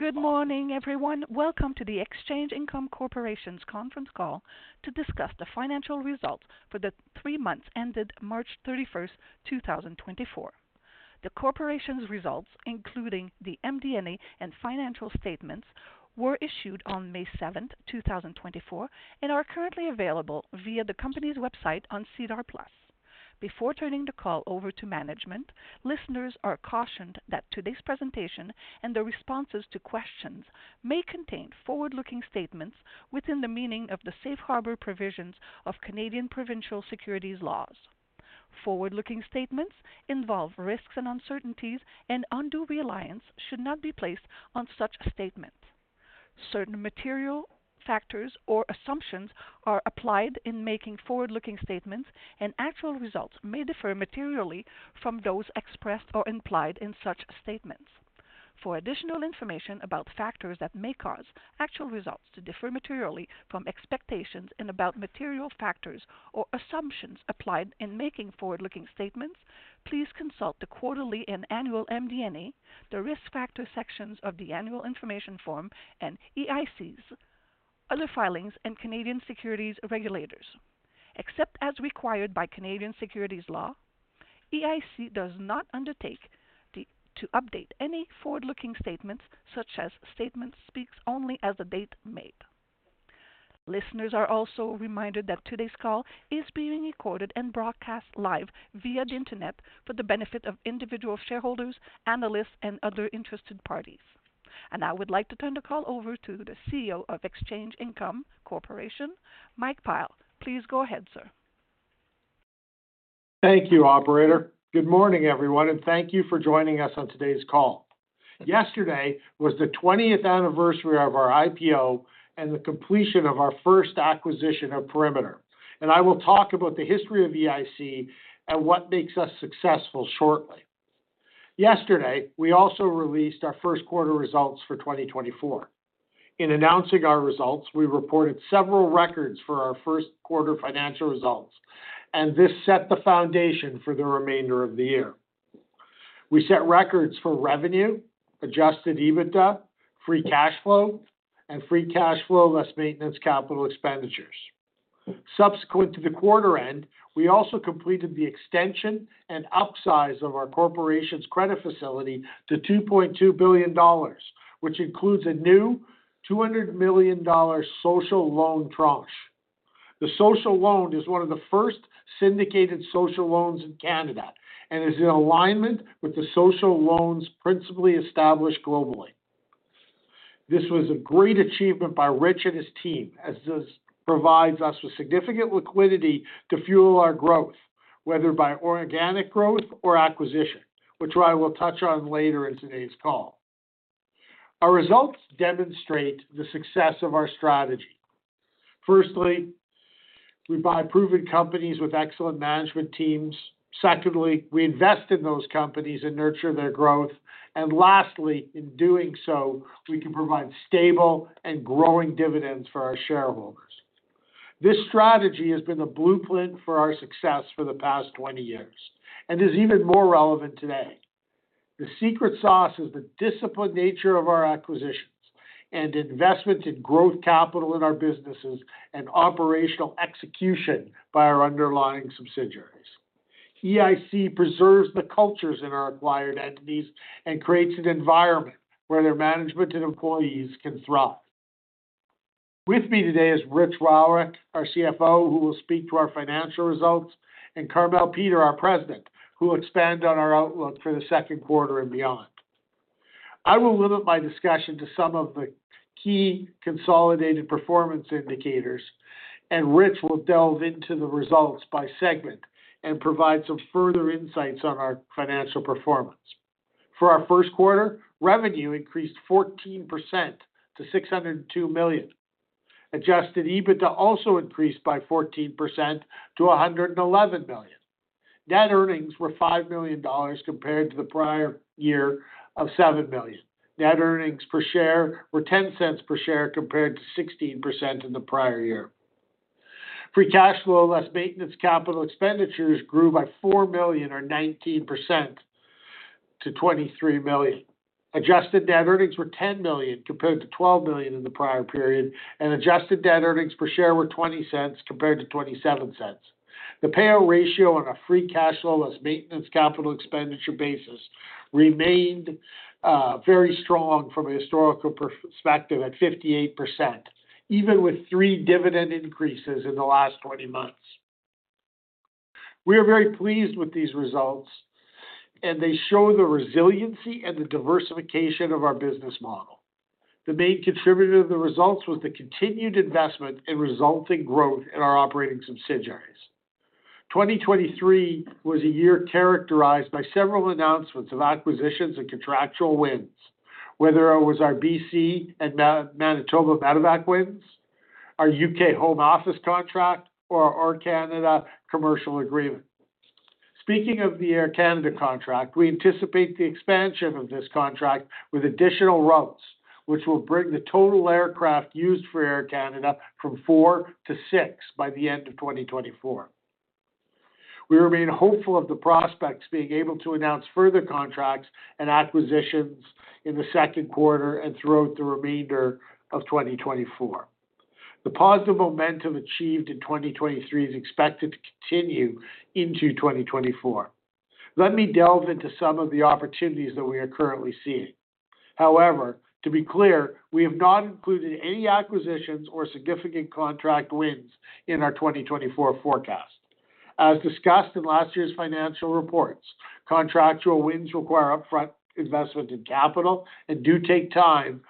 Good morning, everyone. Welcome to the Exchange Income Corporation's conference call to discuss the financial results for the three months ended March 31st, 2024. The corporation's results, including the MD&A and financial statements, were issued on May 7th, 2024, and are currently available via the company's website on SEDAR+. Before turning the call over to management, listeners are cautioned that today's presentation and the responses to questions may contain forward-looking statements within the meaning of the safe harbor provisions of Canadian provincial securities laws. Forward-looking statements involve risks and uncertainties, and undue reliance should not be placed on such statements. Certain material factors or assumptions are applied in making forward-looking statements, and actual results may differ materially from those expressed or implied in such statements. For additional information about factors that may cause actual results to differ materially from expectations and about material factors or assumptions applied in making forward-looking statements, please consult the quarterly and annual MD&A, the Risk Factor sections of the Annual Information Form and EIC's other filings, and Canadian Securities Regulators. Except as required by Canadian Securities Law, EIC does not undertake to update any forward-looking statements, such statements speak only as of the date made. Listeners are also reminded that today's call is being recorded and broadcast live via the Internet for the benefit of individual shareholders, analysts, and other interested parties. I would like to turn the call over to the CEO of Exchange Income Corporation, Mike Pyle. Please go ahead, sir. Thank you, operator. Good morning, everyone, and thank you for joining us on today's call. Yesterday was the 20th anniversary of our IPO and the completion of our first acquisition of Perimeter, and I will talk about the history of EIC and what makes us successful shortly. Yesterday, we also released our first quarter results for 2024. In announcing our results, we reported several records for our first quarter financial results, and this set the foundation for the remainder of the year. We set records for revenue, Adjusted EBITDA, Free Cash Flow, and Free Cash Flow, less Maintenance Capital Expenditures. Subsequent to the quarter end, we also completed the extension and upsize of our corporation's credit facility to 2.2 billion dollars, which includes a new 200 million dollar Social Loan tranche. The social loan is one of the first syndicated social loans in Canada and is in alignment with the Social Loan Principles established globally. This was a great achievement by Rich and his team, as this provides us with significant liquidity to fuel our growth, whether by organic growth or acquisition, which I will touch on later in today's call. Our results demonstrate the success of our strategy. Firstly, we buy proven companies with excellent management teams. Secondly, we invest in those companies and nurture their growth. Lastly, in doing so, we can provide stable and growing dividends for our shareholders. This strategy has been the blueprint for our success for the past 20 years and is even more relevant today. The secret sauce is the disciplined nature of our acquisitions and investment in growth capital in our businesses and operational execution by our underlying subsidiaries. EIC preserves the cultures in our acquired entities and creates an environment where their management and employees can thrive. With me today is Rich Wowryk, our CFO, who will speak to our financial results, and Carmele Peter, our President, who will expand on our outlook for the second quarter and beyond. I will limit my discussion to some of the key consolidated performance indicators, and Rich will delve into the results by segment and provide some further insights on our financial performance. For our first quarter, revenue increased 14% to 602 million. Adjusted EBITDA also increased by 14% to 111 million. Net earnings were 5 million dollars compared to the prior year of 7 million. Net earnings per share were 0.10 per share, compared to 16% in the prior year. Free cash flow, less maintenance capital expenditures, grew by 4 million or 19% to 23 million. Adjusted net earnings were 10 million, compared to 12 million in the prior period, and adjusted net earnings per share were 0.20 compared to 0.27. The payout ratio on a free cash flow, less maintenance capital expenditure basis, remained very strong from a historical perspective at 58%, even with three dividend increases in the last 20 months. We are very pleased with these results, and they show the resiliency and the diversification of our business model. The main contributor of the results was the continued investment and resulting growth in our operating subsidiaries. 2023 was a year characterized by several announcements of acquisitions and contractual wins, whether it was our BC and Manitoba Medevac wins, our UK Home Office contract, or our Air Canada commercial agreement. Speaking of the Air Canada contract, we anticipate the expansion of this contract with additional routes, which will bring the total aircraft used for Air Canada from four to six by the end of 2024. We remain hopeful of the prospects being able to announce further contracts and acquisitions in the second quarter and throughout the remainder of 2024. The positive momentum achieved in 2023 is expected to continue into 2024. Let me delve into some of the opportunities that we are currently seeing. However, to be clear, we have not included any acquisitions or significant contract wins in our 2024 forecast. As discussed in last year's financial reports, contractual wins require upfront investment in capital and do take time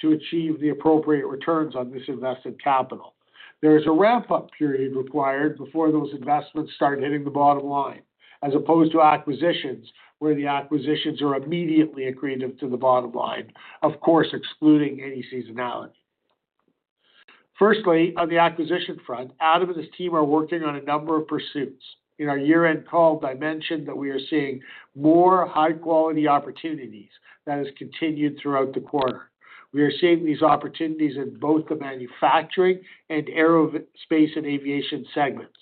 to achieve the appropriate returns on this invested capital. There is a ramp-up period required before those investments start hitting the bottom line, as opposed to acquisitions, where the acquisitions are immediately accretive to the bottom line, of course, excluding any seasonality. Firstly, on the acquisition front, Adam and his team are working on a number of pursuits. In our year-end call, I mentioned that we are seeing more high-quality opportunities. That has continued throughout the quarter. We are seeing these opportunities in both the manufacturing and aerospace and aviation segments.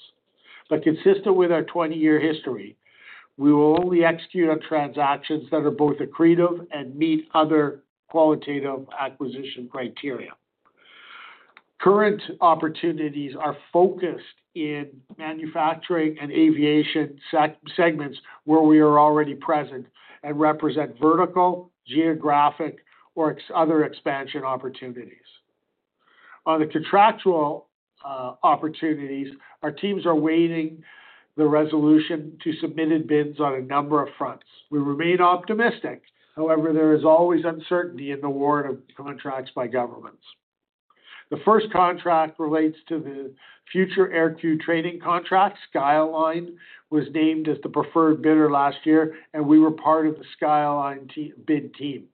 Consistent with our 20-year history, we will only execute on transactions that are both accretive and meet other qualitative acquisition criteria. Current opportunities are focused in manufacturing and aviation segments where we are already present and represent vertical, geographic, or other expansion opportunities. On the contractual opportunities, our teams are awaiting the resolution of submitted bids on a number of fronts. We remain optimistic. However, there is always uncertainty in the award of contracts by governments. The first contract relates to the future aircrew training contract. SkyAlyne was named as the preferred bidder last year, and we were part of the SkyAlyne bid team.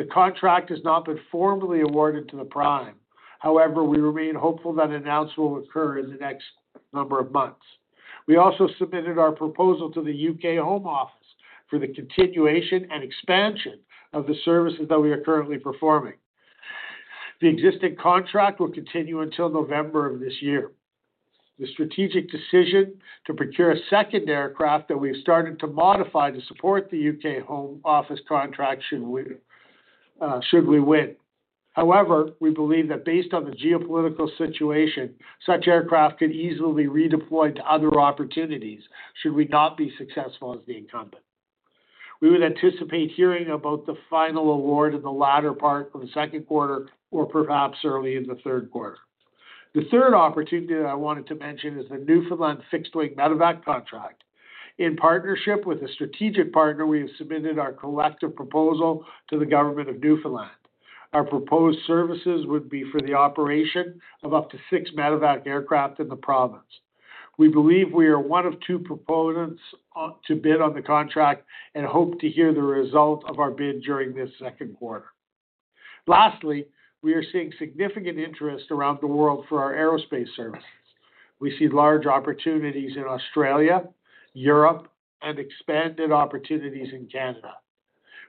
The contract has not been formally awarded to the prime. However, we remain hopeful that an announcement will occur in the next number of months. We also submitted our proposal to the UK Home Office for the continuation and expansion of the services that we are currently performing. The existing contract will continue until November of this year. The strategic decision to procure a second aircraft that we've started to modify to support the UK Home Office contract should we win. However, we believe that based on the geopolitical situation, such aircraft could easily be redeployed to other opportunities should we not be successful as the incumbent. We would anticipate hearing about the final award in the latter part of the second quarter or perhaps early in the third quarter. The third opportunity that I wanted to mention is the Newfoundland fixed wing Medevac contract. In partnership with a strategic partner, we have submitted our collective proposal to the government of Newfoundland. Our proposed services would be for the operation of up to six Medevac aircraft in the province. We believe we are one of two proponents to bid on the contract and hope to hear the result of our bid during this second quarter. Lastly, we are seeing significant interest around the world for our aerospace services. We see large opportunities in Australia, Europe, and expanded opportunities in Canada.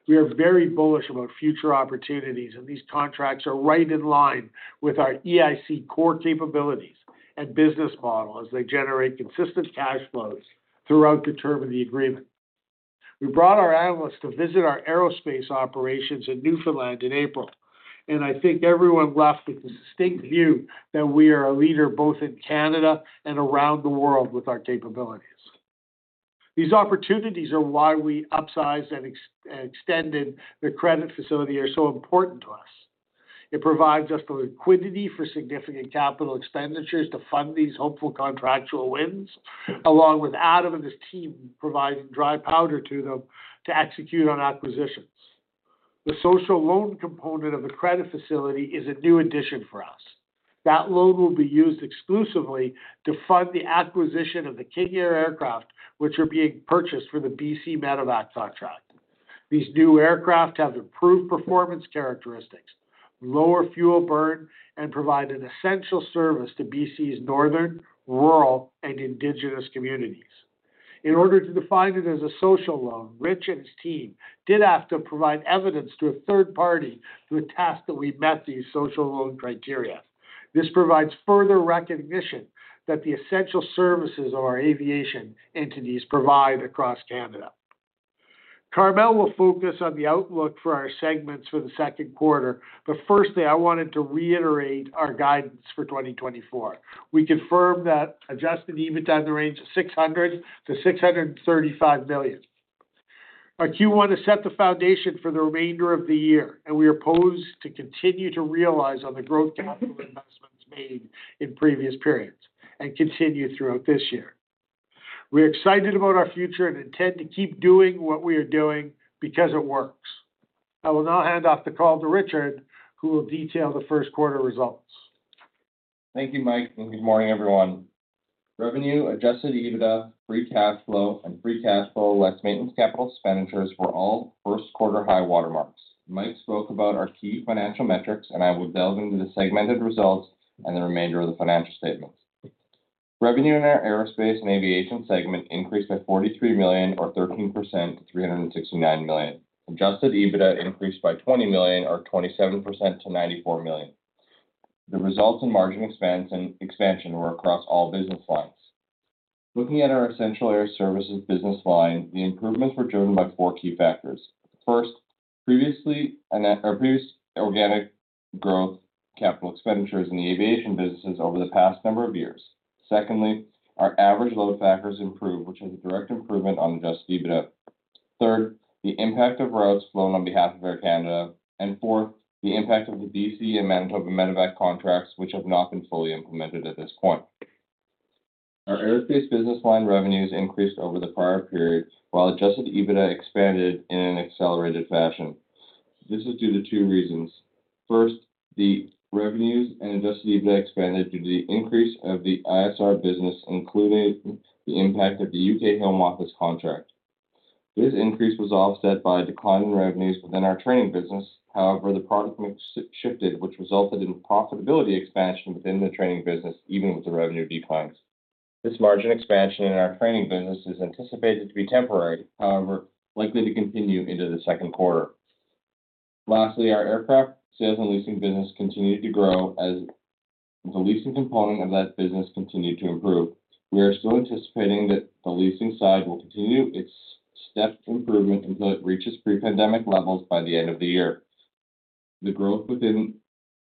We are very bullish about future opportunities, and these contracts are right in line with our EIC core capabilities and business model as they generate consistent cash flows throughout the term of the agreement. We brought our analysts to visit our aerospace operations in Newfoundland in April, and I think everyone left with a distinct view that we are a leader both in Canada and around the world with our capabilities. These opportunities are why we upsized and expanded and extended the credit facility are so important to us. It provides us the liquidity for significant capital expenditures to fund these hopeful contractual wins, along with Adam and his team, providing dry powder to them to execute on acquisitions. The social loan component of the credit facility is a new addition for us. That loan will be used exclusively to fund the acquisition of the King Air aircraft, which are being purchased for the BC Medevac contract. These new aircraft have improved performance characteristics, lower fuel burn, and provide an essential service to BC's northern, rural, and indigenous communities. In order to define it as a social loan, Rich and his team did have to provide evidence to a third party to attest that we've met these social loan criteria. This provides further recognition that the essential services of our aviation entities provide across Canada. Carmele will focus on the outlook for our segments for the second quarter, but firstly, I wanted to reiterate our guidance for 2024. We confirm that Adjusted EBITDA in the range of 600 million-635 million. Our Q1 has set the foundation for the remainder of the year, and we are poised to continue to realize on the growth capital investments made in previous periods and continue throughout this year. We are excited about our future and intend to keep doing what we are doing because it works. I will now hand off the call to Richard, who will detail the first quarter results. Thank you, Mike, and good morning, everyone. Revenue, adjusted EBITDA, free cash flow, and free cash flow, less maintenance capital expenditures, were all first quarter high water marks. Mike spoke about our key financial metrics, and I will delve into the segmented results and the remainder of the financial statements. Revenue in our aerospace and aviation segment increased by 43 million or 13% to 369 million. Adjusted EBITDA increased by 20 million or 27% to 94 million. The results in margin expanse and expansion were across all business lines. Looking at our Essential Air Services business line, the improvements were driven by four key factors. First, a previous organic growth, capital expenditures in the aviation businesses over the past number of years. Secondly, our average load factors improved, which is a direct improvement on adjusted EBITDA. Third, the impact of routes flown on behalf of Air Canada, and fourth, the impact of the BC and Manitoba Medevac contracts, which have not been fully implemented at this point. Our airspace business line revenues increased over the prior period, while Adjusted EBITDA expanded in an accelerated fashion. This is due to two reasons. First, the revenues and Adjusted EBITDA expanded due to the increase of the ISR business, including the impact of the UK Home Office contract. This increase was offset by a decline in revenues within our training business. However, the product mix shifted, which resulted in profitability expansion within the training business, even with the revenue declines. This margin expansion in our training business is anticipated to be temporary, however, likely to continue into the second quarter. Lastly, our aircraft sales and leasing business continued to grow as the leasing component of that business continued to improve. We are still anticipating that the leasing side will continue its stepped improvement until it reaches pre-pandemic levels by the end of the year. The growth within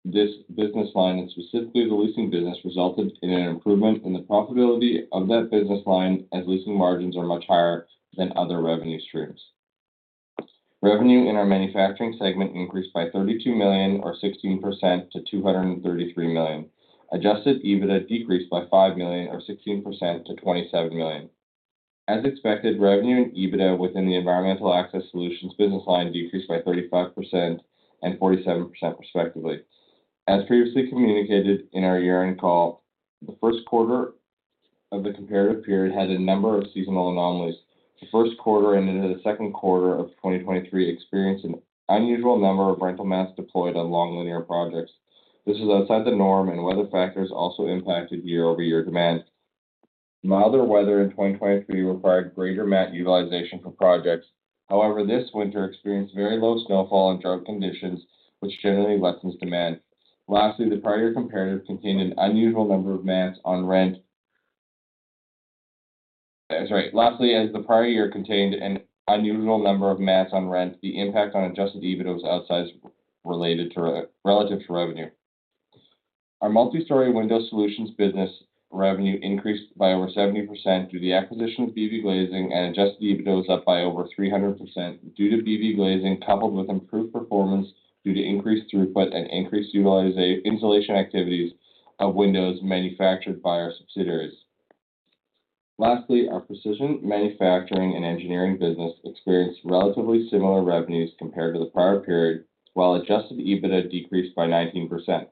this business line, and specifically the leasing business, resulted in an improvement in the profitability of that business line, as leasing margins are much higher than other revenue streams. Revenue in our manufacturing segment increased by 32 million, or 16%, to 233 million. Adjusted EBITDA decreased by 5 million, or 16%, to 27 million. As expected, revenue and EBITDA within the Environmental Access Solutions business line decreased by 35% and 47% respectively. As previously communicated in our year-end call, the first quarter of the comparative period had a number of seasonal anomalies. The first quarter and into the second quarter of 2023 experienced an unusual number of rental mats deployed on long linear projects. This is outside the norm, and weather factors also impacted year-over-year demand. Milder weather in 2023 required greater mat utilization for projects. However, this winter experienced very low snowfall and drought conditions, which generally lessens demand. Lastly, the prior comparator contained an unusual number of mats on rent. Sorry. Lastly, as the prior year contained an unusual number of mats on rent, the impact on Adjusted EBITDA was outsized related to relative to revenue. Our multi-story window solutions business revenue increased by over 70% due to the acquisition of BVGlazing and Adjusted EBITDA was up by over 300% due to BVGlazing, coupled with improved performance due to increased throughput and increased utilization-insulation activities of windows manufactured by our subsidiaries. Lastly, our precision manufacturing and engineering business experienced relatively similar revenues compared to the prior period, while adjusted EBITDA decreased by 19%.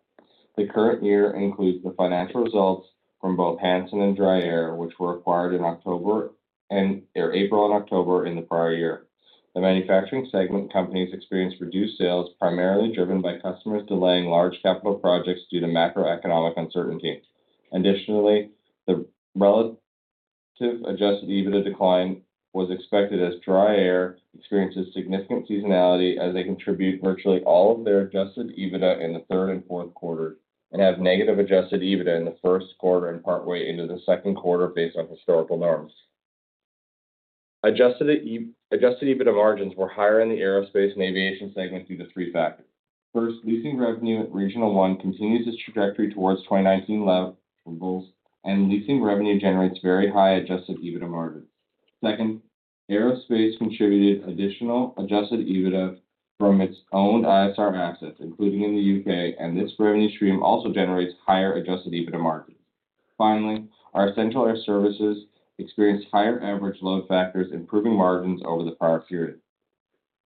The current year includes the financial results from both Hansen and DryAir, which were acquired in April and October in the prior year. The manufacturing segment companies experienced reduced sales, primarily driven by customers delaying large capital projects due to macroeconomic uncertainty. Additionally, the relative adjusted EBITDA decline was expected as DryAir experiences significant seasonality, as they contribute virtually all of their adjusted EBITDA in the third and fourth quarter, and have negative adjusted EBITDA in the first quarter and partway into the second quarter based on historical norms. Adjusted EBITDA margins were higher in the aerospace and aviation segment due to three factors. First, leasing revenue at Regional One continues its trajectory towards 2019 levels, and leasing revenue generates very high adjusted EBITDA margins. Second, aerospace contributed additional adjusted EBITDA from its own ISR assets, including in the U.K., and this revenue stream also generates higher adjusted EBITDA margins. Finally, our Essential Air Services experienced higher average load factors, improving margins over the prior period.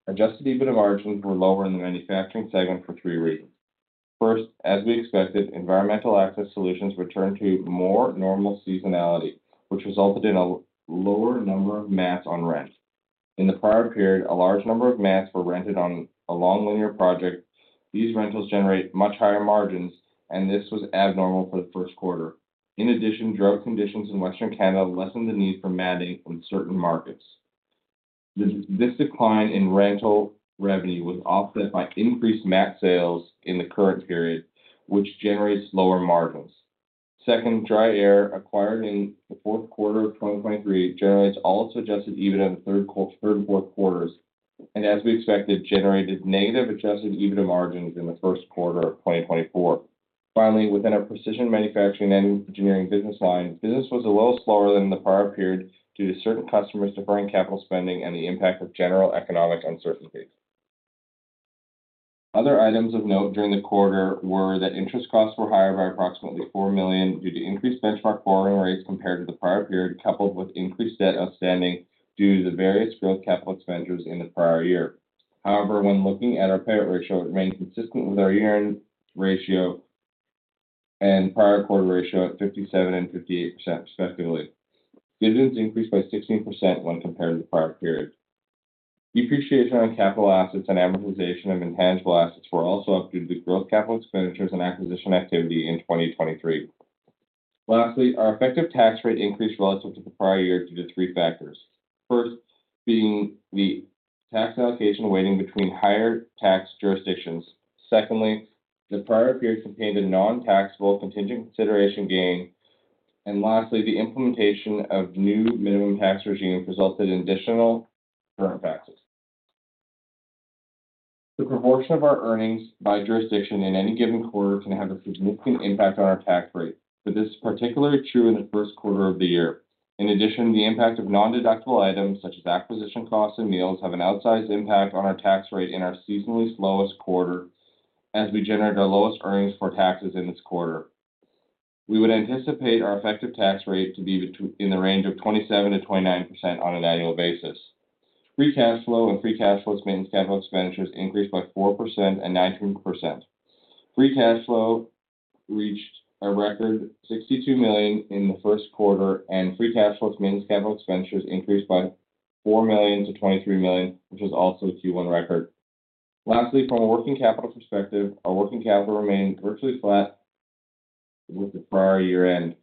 Adjusted EBITDA margins were lower in the manufacturing segment for three reasons. First, as we expected, Environmental Access Solutions returned to more normal seasonality, which resulted in a lower number of mats on rent. In the prior period, a large number of mats were rented on a long linear project. These rentals generate much higher margins, and this was abnormal for the first quarter. In addition, drought conditions in Western Canada lessened the need for matting on certain markets. This decline in rental revenue was offset by increased mat sales in the current period, which generates lower margins. Second, DryAir, acquired in the fourth quarter of 2023, generates all of its Adjusted EBITDA in the third and fourth quarters, and as we expected, generated negative Adjusted EBITDA margins in the first quarter of 2024. Finally, within our precision manufacturing and engineering business line, business was a little slower than in the prior period due to certain customers deferring capital spending and the impact of general economic uncertainty. Other items of note during the quarter were that interest costs were higher by approximately 4 million due to increased benchmark borrowing rates compared to the prior period, coupled with increased debt outstanding due to the various growth capital expenditures in the prior year. However, when looking at our payout ratio, it remained consistent with our year-end ratio and prior quarter ratio at 57% and 58%, respectively. Dividends increased by 16% when compared to the prior period. Depreciation on capital assets and amortization of intangible assets were also up due to the growth capital expenditures and acquisition activity in 2023. Lastly, our effective tax rate increased relative to the prior year due to three factors. First, being the tax allocation weighting between higher tax jurisdictions. Secondly, the prior period contained a non-taxable contingent consideration gain. And lastly, the implementation of new minimum tax regime resulted in additional current taxes. The proportion of our earnings by jurisdiction in any given quarter can have a significant impact on our tax rate, but this is particularly true in the first quarter of the year. In addition, the impact of non-deductible items such as acquisition costs and meals, have an outsized impact on our tax rate in our seasonally slowest quarter as we generate our lowest earnings for taxes in this quarter. We would anticipate our effective tax rate to be between, in the range of 27%-29% on an annual basis. Free cash flow and free cash flow maintenance capital expenditures increased by 4% and 19%. Free cash flow reached a record 62 million in the first quarter, and free cash flow maintenance capital expenditures increased by 4 million to 23 million, which was also a Q1 record. Lastly, from a working capital perspective, our working capital remained virtually flat with the prior year end.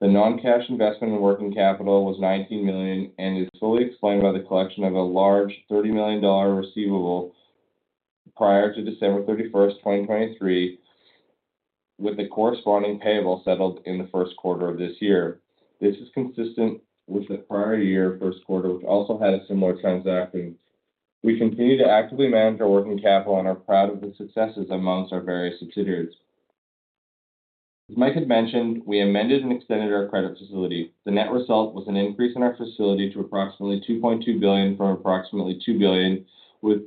The non-cash investment in working capital was 19 million and is fully explained by the collection of a large $30 million receivable prior to December 31st, 2023, with the corresponding payable settled in the first quarter of this year. This is consistent with the prior year first quarter, which also had a similar transaction. We continue to actively manage our working capital and are proud of the successes amongst our various subsidiaries. As Mike had mentioned, we amended and extended our credit facility. The net result was an increase in our facility to approximately 2.2 billion from approximately 2 billion, with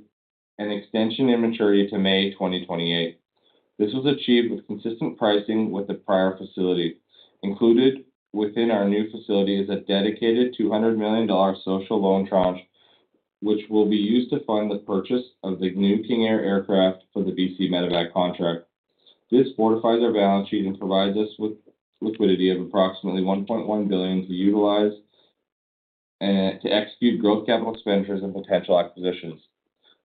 an extension in maturity to May 2028. This was achieved with consistent pricing with the prior facility. Included within our new facility is a dedicated 200 million dollar social loan tranche, which will be used to fund the purchase of the new King Air aircraft for the BC Medevac contract. This fortifies our balance sheet and provides us with liquidity of approximately 1.1 billion to utilize, to execute growth capital expenditures and potential acquisitions.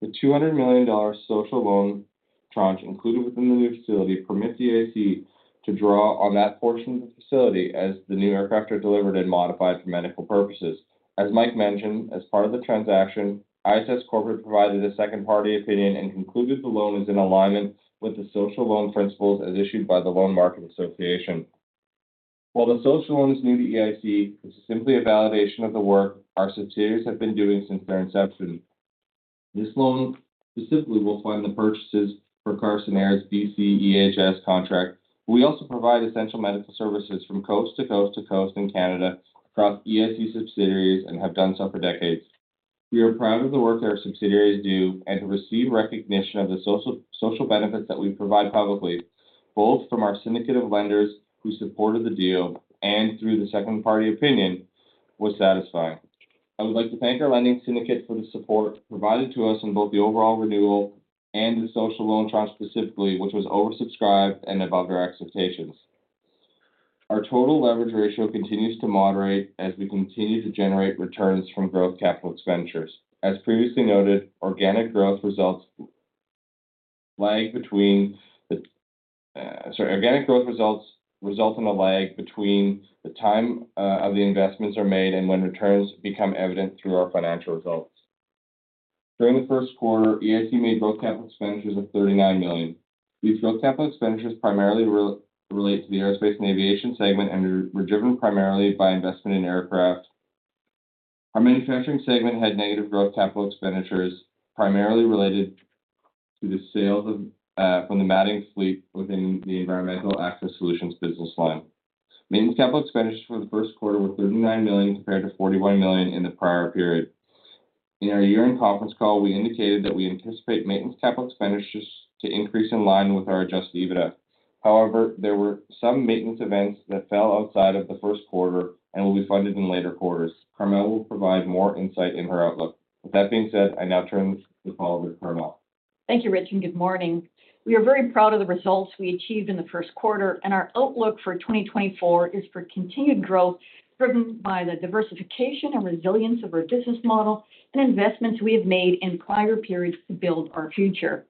The 200 million dollar social loan tranche included within the new facility, permits the EIC to draw on that portion of the facility as the new aircraft are delivered and modified for medical purposes. As Mike mentioned, as part of the transaction, ISS Corporate provided a second-party opinion and concluded the loan is in alignment with the Social Loan Principles as issued by the Loan Market Association. While the social loan is new to EIC, it's simply a validation of the work our subsidiaries have been doing since their inception. This loan specifically will fund the purchases for Carson Air's BCEHS contract. We also provide essential medical services from coast to coast to coast in Canada across EIC subsidiaries, and have done so for decades. We are proud of the work that our subsidiaries do and to receive recognition of the social, social benefits that we provide publicly, both from our syndicate of lenders who supported the deal and through the second party opinion, was satisfying. I would like to thank our lending syndicate for the support provided to us on both the overall renewal and the social loan tranche specifically, which was oversubscribed and above our expectations. Our total leverage ratio continues to moderate as we continue to generate returns from growth capital expenditures. As previously noted, organic growth results in a lag between the time of the investments are made and when returns become evident through our financial results. During the first quarter, EIC made both capital expenditures of 39 million. These growth capital expenditures primarily relate to the aerospace and aviation segment and were driven primarily by investment in aircraft. Our manufacturing segment had negative growth capital expenditures, primarily related to the sales from the matting fleet within the Environmental Access Solutions business line. Maintenance capital expenditures for the first quarter were 39 million, compared to 41 million in the prior period. In our year-end conference call, we indicated that we anticipate maintenance capital expenditures to increase in line with our adjusted EBITDA. However, there were some maintenance events that fell outside of the first quarter and will be funded in later quarters. Carmele will provide more insight in her outlook. With that being said, I now turn this call over to Carmele. Thank you, Rich, and good morning. We are very proud of the results we achieved in the first quarter, and our outlook for 2024 is for continued growth, driven by the diversification and resilience of our business model and investments we have made in prior periods to build our future.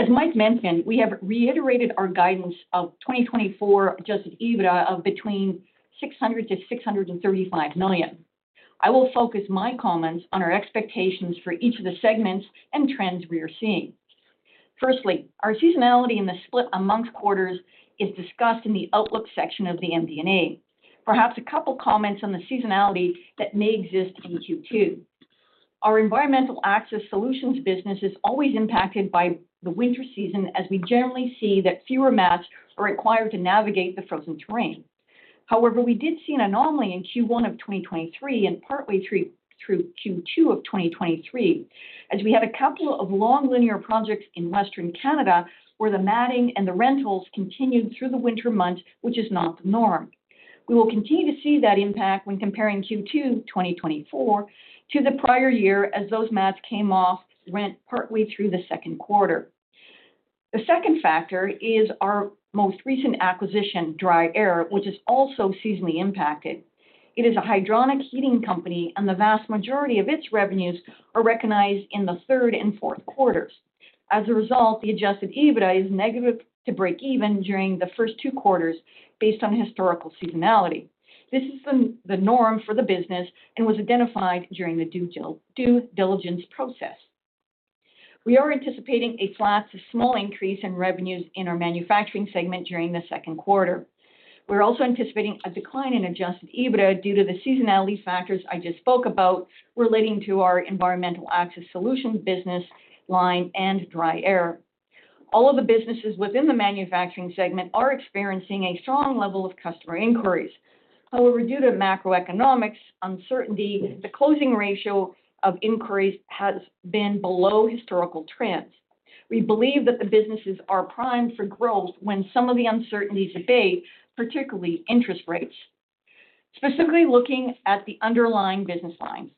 As Mike mentioned, we have reiterated our guidance of 2024 Adjusted EBITDA of between 600 million-635 million. I will focus my comments on our expectations for each of the segments and trends we are seeing. Firstly, our seasonality in the split amongst quarters is discussed in the outlook section of the MD&A. Perhaps a couple of comments on the seasonality that may exist in Q2. Our Environmental Access Solutions business is always impacted by the winter season, as we generally see that fewer mats are required to navigate the frozen terrain. However, we did see an anomaly in Q1 of 2023, and partly through Q2 of 2023, as we had a couple of long linear projects in Western Canada, where the matting and the rentals continued through the winter months, which is not the norm. We will continue to see that impact when comparing Q2 of 2024 to the prior year as those mats came off rent partly through the second quarter. The second factor is our most recent acquisition, DryAir, which is also seasonally impacted. It is a hydronic heating company, and the vast majority of its revenues are recognized in the third and fourth quarters. As a result, the Adjusted EBITDA is negative to breakeven during the first two quarters based on historical seasonality. This is the norm for the business and was identified during the due diligence process. We are anticipating a flat to small increase in revenues in our manufacturing segment during the second quarter. We're also anticipating a decline in Adjusted EBITDA due to the seasonality factors I just spoke about relating to our environmental access solutions business line and DryAir. All of the businesses within the manufacturing segment are experiencing a strong level of customer inquiries. However, due to macroeconomic uncertainty, the closing ratio of inquiries has been below historical trends. We believe that the businesses are primed for growth when some of the uncertainties abate, particularly interest rates. Specifically looking at the underlying business lines.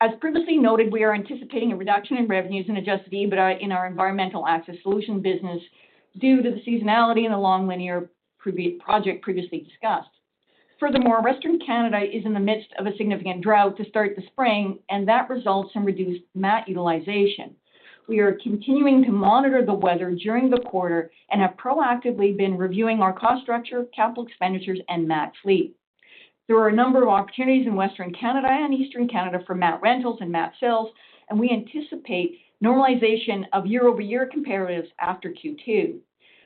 As previously noted, we are anticipating a reduction in revenues and Adjusted EBITDA in our environmental access solution business due to the seasonality and the long-lead project previously discussed. Furthermore, Western Canada is in the midst of a significant drought to start the spring, and that results in reduced mat utilization. We are continuing to monitor the weather during the quarter and have proactively been reviewing our cost structure, capital expenditures, and mat fleet. There are a number of opportunities in Western Canada and Eastern Canada for mat rentals and mat sales, and we anticipate normalization of year-over-year comparables after Q2.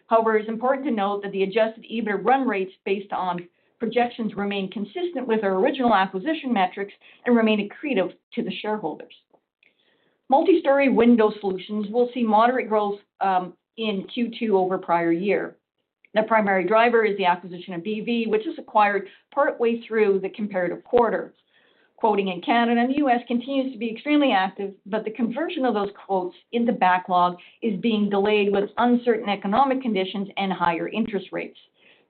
However, it's important to note that the Adjusted EBITDA run rates based on projections remain consistent with our original acquisition metrics and remain accretive to the shareholders. Multi-story window solutions will see moderate growth in Q2 over prior year. The primary driver is the acquisition of BV, which is acquired partway through the comparative quarter. Quoting in Canada and the US continues to be extremely active, but the conversion of those quotes in the backlog is being delayed with uncertain economic conditions and higher interest rates.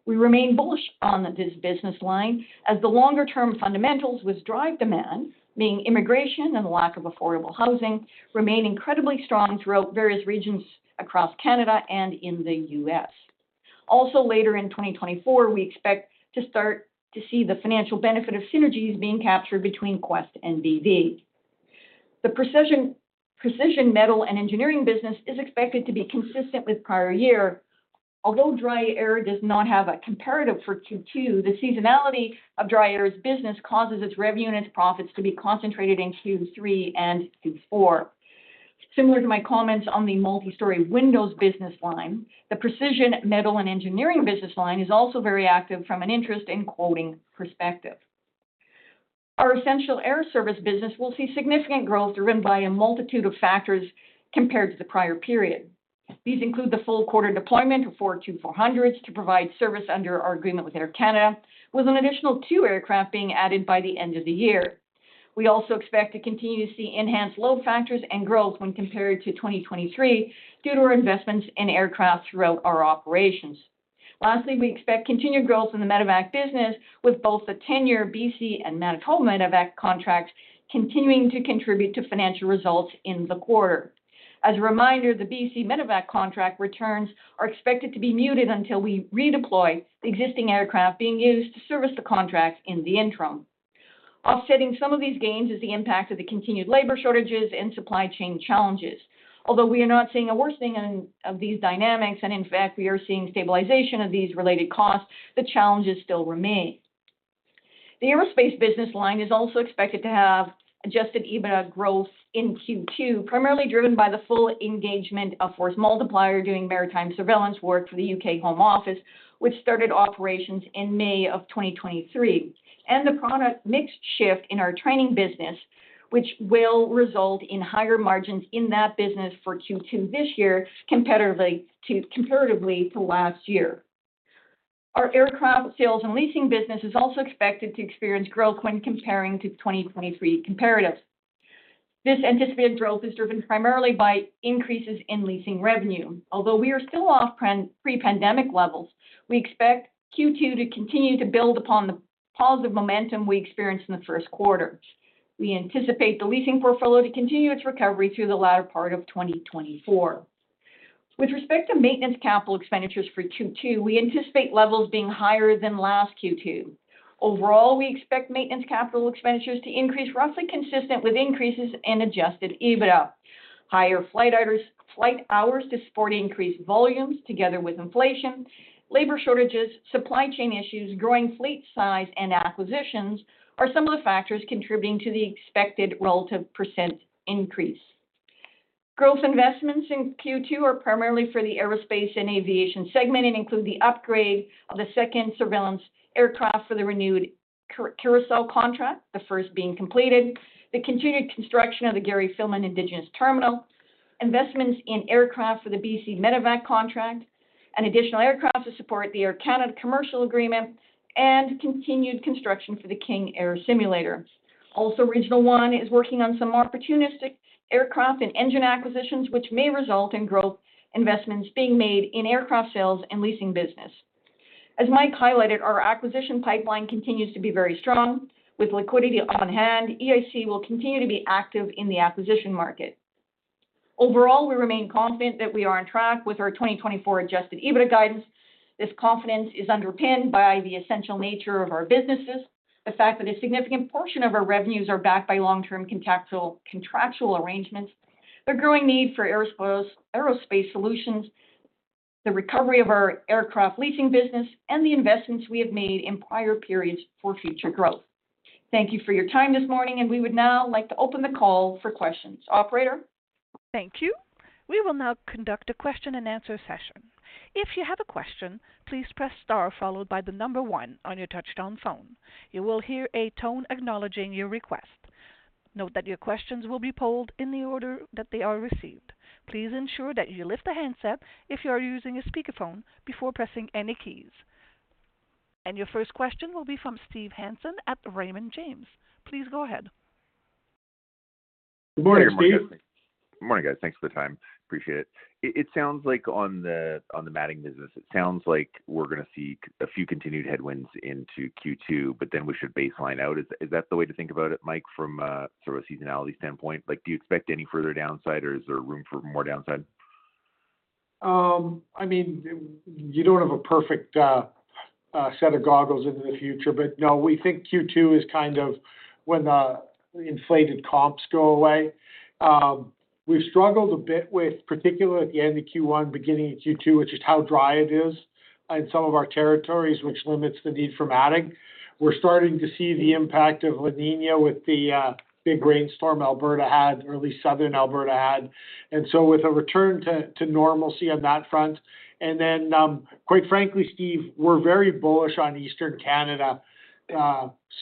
We remain bullish on this business line as the longer-term fundamentals, which drive demand, being immigration and the lack of affordable housing, remain incredibly strong throughout various regions across Canada and in the U.S. Also, later in 2024, we expect to start to see the financial benefit of synergies being captured between Quest and BV. The precision metal and engineering business is expected to be consistent with prior year. Although DryAir does not have a comparative for Q2, the seasonality of DryAir's business causes its revenue and its profits to be concentrated in Q3 and Q4. Similar to my comments on the multistory windows business line, the precision manufacturing and engineering business line is also very active from an interest and quoting perspective. Our essential air services business will see significant growth driven by a multitude of factors compared to the prior period. These include the full quarter deployment of four Q400 to provide service under our agreement with Air Canada, with an additional two aircraft being added by the end of the year. We also expect to continue to see enhanced load factors and growth when compared to 2023, due to our investments in aircraft throughout our operations. Lastly, we expect continued growth in the Medevac business, with both the 10-year BC and Manitoba Medevac contracts continuing to contribute to financial results in the quarter. As a reminder, the BC Medevac contract returns are expected to be muted until we redeploy the existing aircraft being used to service the contract in the interim. Offsetting some of these gains is the impact of the continued labor shortages and supply chain challenges. Although we are not seeing a worsening of these dynamics, and in fact, we are seeing stabilization of these related costs, the challenges still remain. The aerospace business line is also expected to have Adjusted EBITDA growth in Q2, primarily driven by the full engagement of Force Multiplier, doing maritime surveillance work for the UK Home Office, which started operations in May of 2023, and the product mix shift in our training business, which will result in higher margins in that business for Q2 this year, comparatively to last year. Our aircraft sales and leasing business is also expected to experience growth when comparing to 2023 comparatives. This anticipated growth is driven primarily by increases in leasing revenue. Although we are still off pre-pandemic levels, we expect Q2 to continue to build upon the positive momentum we experienced in the first quarter. We anticipate the leasing portfolio to continue its recovery through the latter part of 2024. With respect to Maintenance Capital Expenditures for Q2, we anticipate levels being higher than last Q2. Overall, we expect Maintenance Capital Expenditures to increase roughly consistent with increases in Adjusted EBITDA. Higher flight hours, flight hours to support increased volumes together with inflation, labor shortages, supply chain issues, growing fleet size and acquisitions are some of the factors contributing to the expected relative % increase. Growth investments in Q2 are primarily for the aerospace and aviation segment and include the upgrade of the second surveillance aircraft for the renewed Canadian North contract, the first being completed, the continued construction of the Gary Filmon Indigenous Terminal, investments in aircraft for the BC Medevac contract, and additional aircraft to support the Air Canada commercial agreement, and continued construction for the King Air simulator. Also, Regional One is working on some opportunistic aircraft and engine acquisitions, which may result in growth investments being made in aircraft sales and leasing business. As Mike highlighted, our acquisition pipeline continues to be very strong. With liquidity on hand, EIC will continue to be active in the acquisition market.... Overall, we remain confident that we are on track with our 2024 adjusted EBITDA guidance. This confidence is underpinned by the essential nature of our businesses, the fact that a significant portion of our revenues are backed by long-term contractual arrangements, the growing need for aerospace solutions, the recovery of our aircraft leasing business, and the investments we have made in prior periods for future growth. Thank you for your time this morning, and we would now like to open the call for questions. Operator? Thank you. We will now conduct a question-and-answer session. If you have a question, please press star followed by the number one on your touchtone phone. You will hear a tone acknowledging your request. Note that your questions will be polled in the order that they are received. Please ensure that you lift the handset if you are using a speakerphone before pressing any keys. Your first question will be from Steve Hansen at Raymond James. Please go ahead. Good morning, Steve. Good morning, guys. Thanks for the time. Appreciate it. It sounds like on the matting business, it sounds like we're gonna see a few continued headwinds into Q2, but then we should baseline out. Is that the way to think about it, Mike, from a sort of a seasonality standpoint? Like, do you expect any further downside, or is there room for more downside? I mean, you don't have a perfect set of goggles into the future, but no, we think Q2 is kind of when the inflated comps go away. We've struggled a bit with, particularly at the end of Q1, beginning of Q2, which is how dry it is in some of our territories, which limits the need for matting. We're starting to see the impact of La Niña with the big rainstorm early southern Alberta had. And so with a return to normalcy on that front, and then, quite frankly, Steve, we're very bullish on Eastern Canada,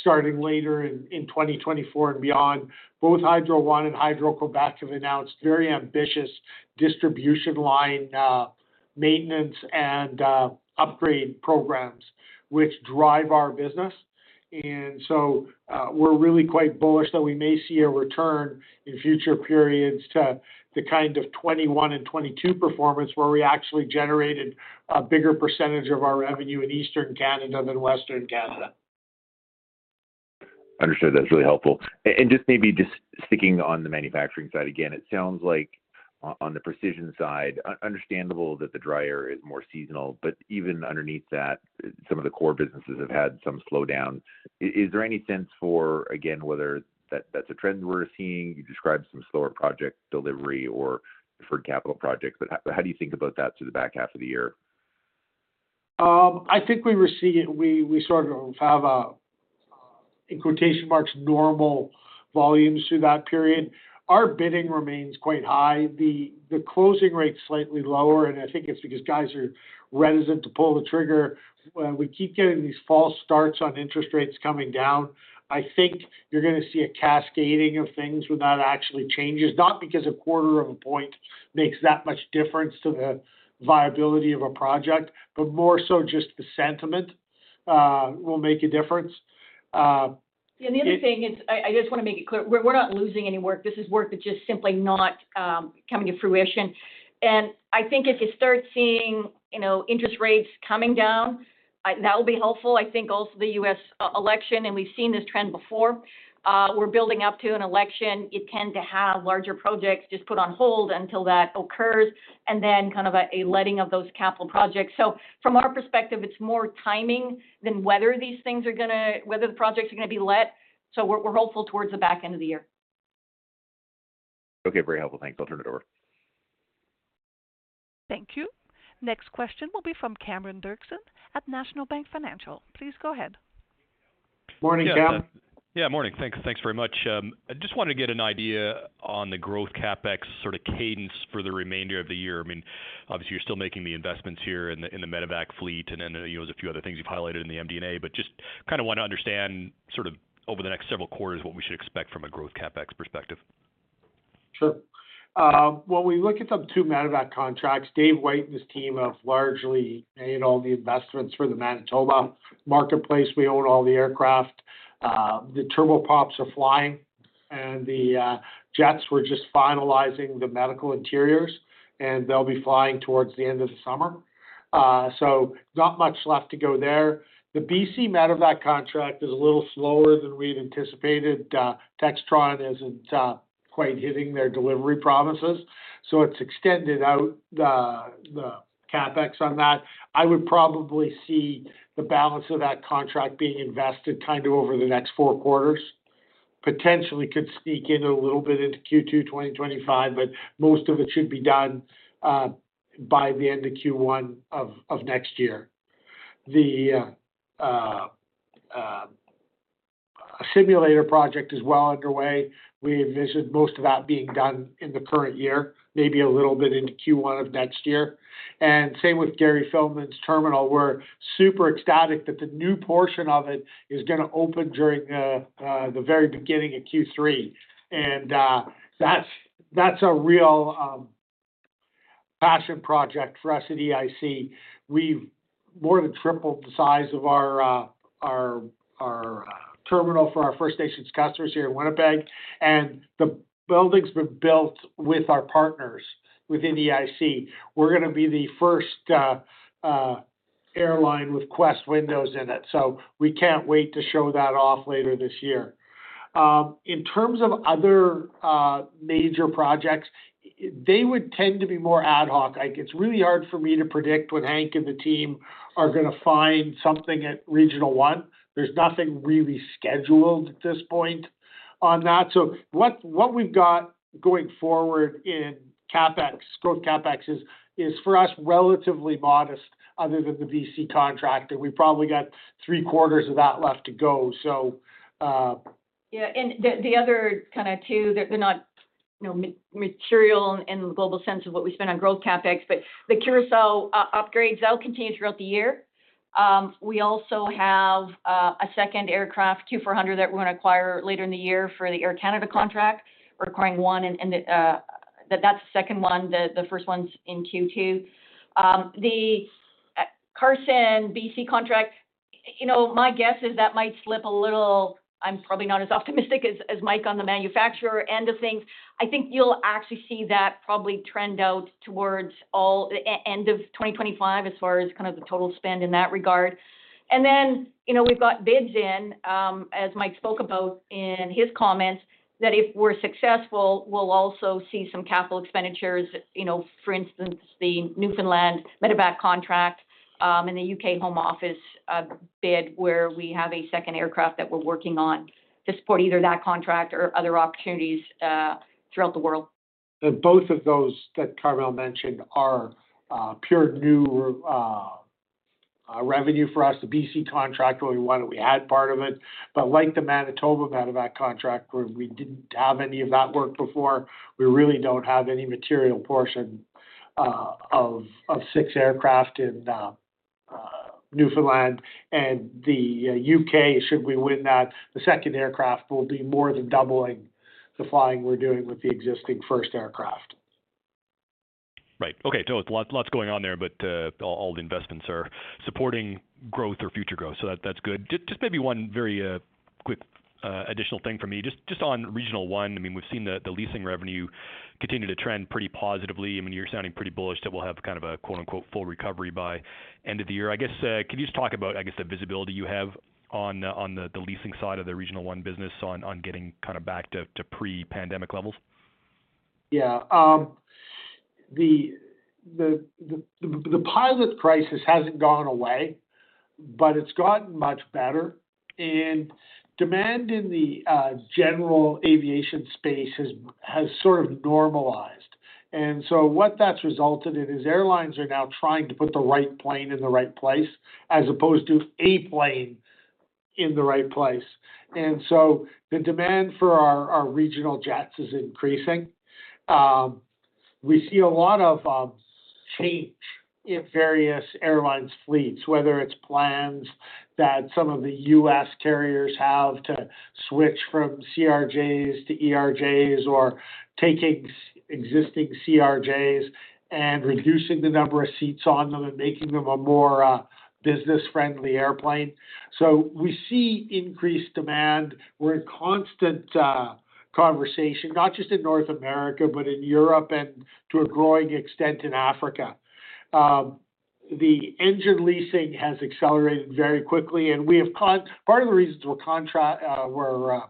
starting later in 2024 and beyond. Both Hydro One and Hydro-Québec have announced very ambitious distribution line maintenance and upgrade programs, which drive our business. We're really quite bullish that we may see a return in future periods to the kind of 2021 and 2022 performance, where we actually generated a bigger percentage of our revenue in Eastern Canada than Western Canada. Understood. That's really helpful. And just maybe just sticking on the manufacturing side again, it sounds like on the precision side, understandable that the dryer is more seasonal, but even underneath that, some of the core businesses have had some slowdown. Is there any sense for, again, whether that, that's a trend we're seeing? You described some slower project delivery or deferred capital projects, but how do you think about that through the back half of the year? I think we were seeing... We sort of have a, in quotation marks, "normal" volumes through that period. Our bidding remains quite high. The closing rate's slightly lower, and I think it's because guys are reticent to pull the trigger. We keep getting these false starts on interest rates coming down. I think you're gonna see a cascading of things when that actually changes, not because a quarter of a point makes that much difference to the viability of a project, but more so just the sentiment will make a difference, it- And the other thing is, I just wanna make it clear, we're not losing any work. This is work that's just simply not coming to fruition. And I think if you start seeing, you know, interest rates coming down, that will be helpful. I think also the U.S. election, and we've seen this trend before. We're building up to an election. You tend to have larger projects just put on hold until that occurs, and then kind of a letting of those capital projects. So from our perspective, it's more timing than whether these things are gonna be let. So we're hopeful towards the back end of the year. Okay. Very helpful. Thanks. I'll turn it over. Thank you. Next question will be from Cameron Doerksen at National Bank Financial. Please go ahead. Morning, Cameron. Yeah, morning. Thanks. Thanks very much. I just wanted to get an idea on the growth CapEx sort of cadence for the remainder of the year. I mean, obviously, you're still making the investments here in the, in the Medevac fleet, and then, you know, there's a few other things you've highlighted in the MD&A, but just kind of want to understand, sort of over the next several quarters, what we should expect from a growth CapEx perspective. Sure. When we look at the two Medevac contracts, Dave White and his team have largely made all the investments for the Manitoba marketplace. We own all the aircraft. The turboprops are flying, and the jets, we're just finalizing the medical interiors, and they'll be flying towards the end of the summer. So not much left to go there. The BC Medevac contract is a little slower than we'd anticipated. Textron isn't quite hitting their delivery promises, so it's extended out the CapEx on that. I would probably see the balance of that contract being invested kind of over the next four quarters. Potentially could sneak in a little bit into Q2 2025, but most of it should be done by the end of Q1 of next year. The simulator project is well underway. We envision most of that being done in the current year, maybe a little bit into Q1 of next year. And same with Gary Filmon's terminal. We're super ecstatic that the new portion of it is gonna open during the very beginning of Q3, and that's a real passion project for us at EIC. We've more than tripled the size of our terminal for our First Nations customers here in Winnipeg, and the building's been built with our partners within the EIC. We're gonna be the first airline with Quest windows in it, so we can't wait to show that off later this year. In terms of other major projects, they would tend to be more ad hoc. Like, it's really hard for me to predict when Hank and the team are gonna find something at Regional One. There's nothing really scheduled at this point on that. So, what we've got going forward in CapEx, growth CapEx, is for us, relatively modest other than the BC contract, and we've probably got three quarters of that left to go. So, Yeah, and the other kind of two, they're not, you know, material in the global sense of what we spend on growth CapEx, but the Curaçao upgrade, that'll continue throughout the year. We also have a second aircraft, Q400, that we're gonna acquire later in the year for the Air Canada contract. We're acquiring one, and that's the second one. The first one's in Q2. The Carson BC contract, you know, my guess is that might slip a little. I'm probably not as optimistic as Mike on the manufacturer end of things. I think you'll actually see that probably trend out towards end of 2025, as far as kind of the total spend in that regard. You know, we've got bids in, as Mike spoke about in his comments, that if we're successful, we'll also see some capital expenditures. You know, for instance, the Newfoundland Medevac contract, and the UK Home Office bid, where we have a second aircraft that we're working on to support either that contract or other opportunities throughout the world. But both of those that Carmele mentioned are pure new revenue for us. The BC contract, we won and we had part of it. But like the Manitoba Medevac contract, where we didn't have any of that work before, we really don't have any material portion of six aircraft in Newfoundland. And the U.K., should we win that, the second aircraft will be more than doubling the flying we're doing with the existing first aircraft. Right. Okay, so a lot, lots going on there, but all the investments are supporting growth or future growth, so that's good. Just maybe one very quick additional thing for me. Just on Regional One, I mean, we've seen the leasing revenue continue to trend pretty positively, and you're sounding pretty bullish that we'll have kind of a quote unquote full recovery by end of the year. I guess can you just talk about, I guess, the visibility you have on the leasing side of the Regional One business on getting kind of back to pre-pandemic levels? Yeah, the pilot crisis hasn't gone away, but it's gotten much better, and demand in the general aviation space has sort of normalized. And so what that's resulted in is airlines are now trying to put the right plane in the right place, as opposed to a plane in the right place. And so the demand for our regional jets is increasing. We see a lot of change in various airlines' fleets, whether it's plans that some of the U.S. carriers have to switch from CRJs to ERJs, or taking existing CRJs and reducing the number of seats on them and making them a more business-friendly airplane. So we see increased demand. We're in constant conversation, not just in North America, but in Europe and to a growing extent, in Africa. The engine leasing has accelerated very quickly, and we have contracts. Part of the reason we're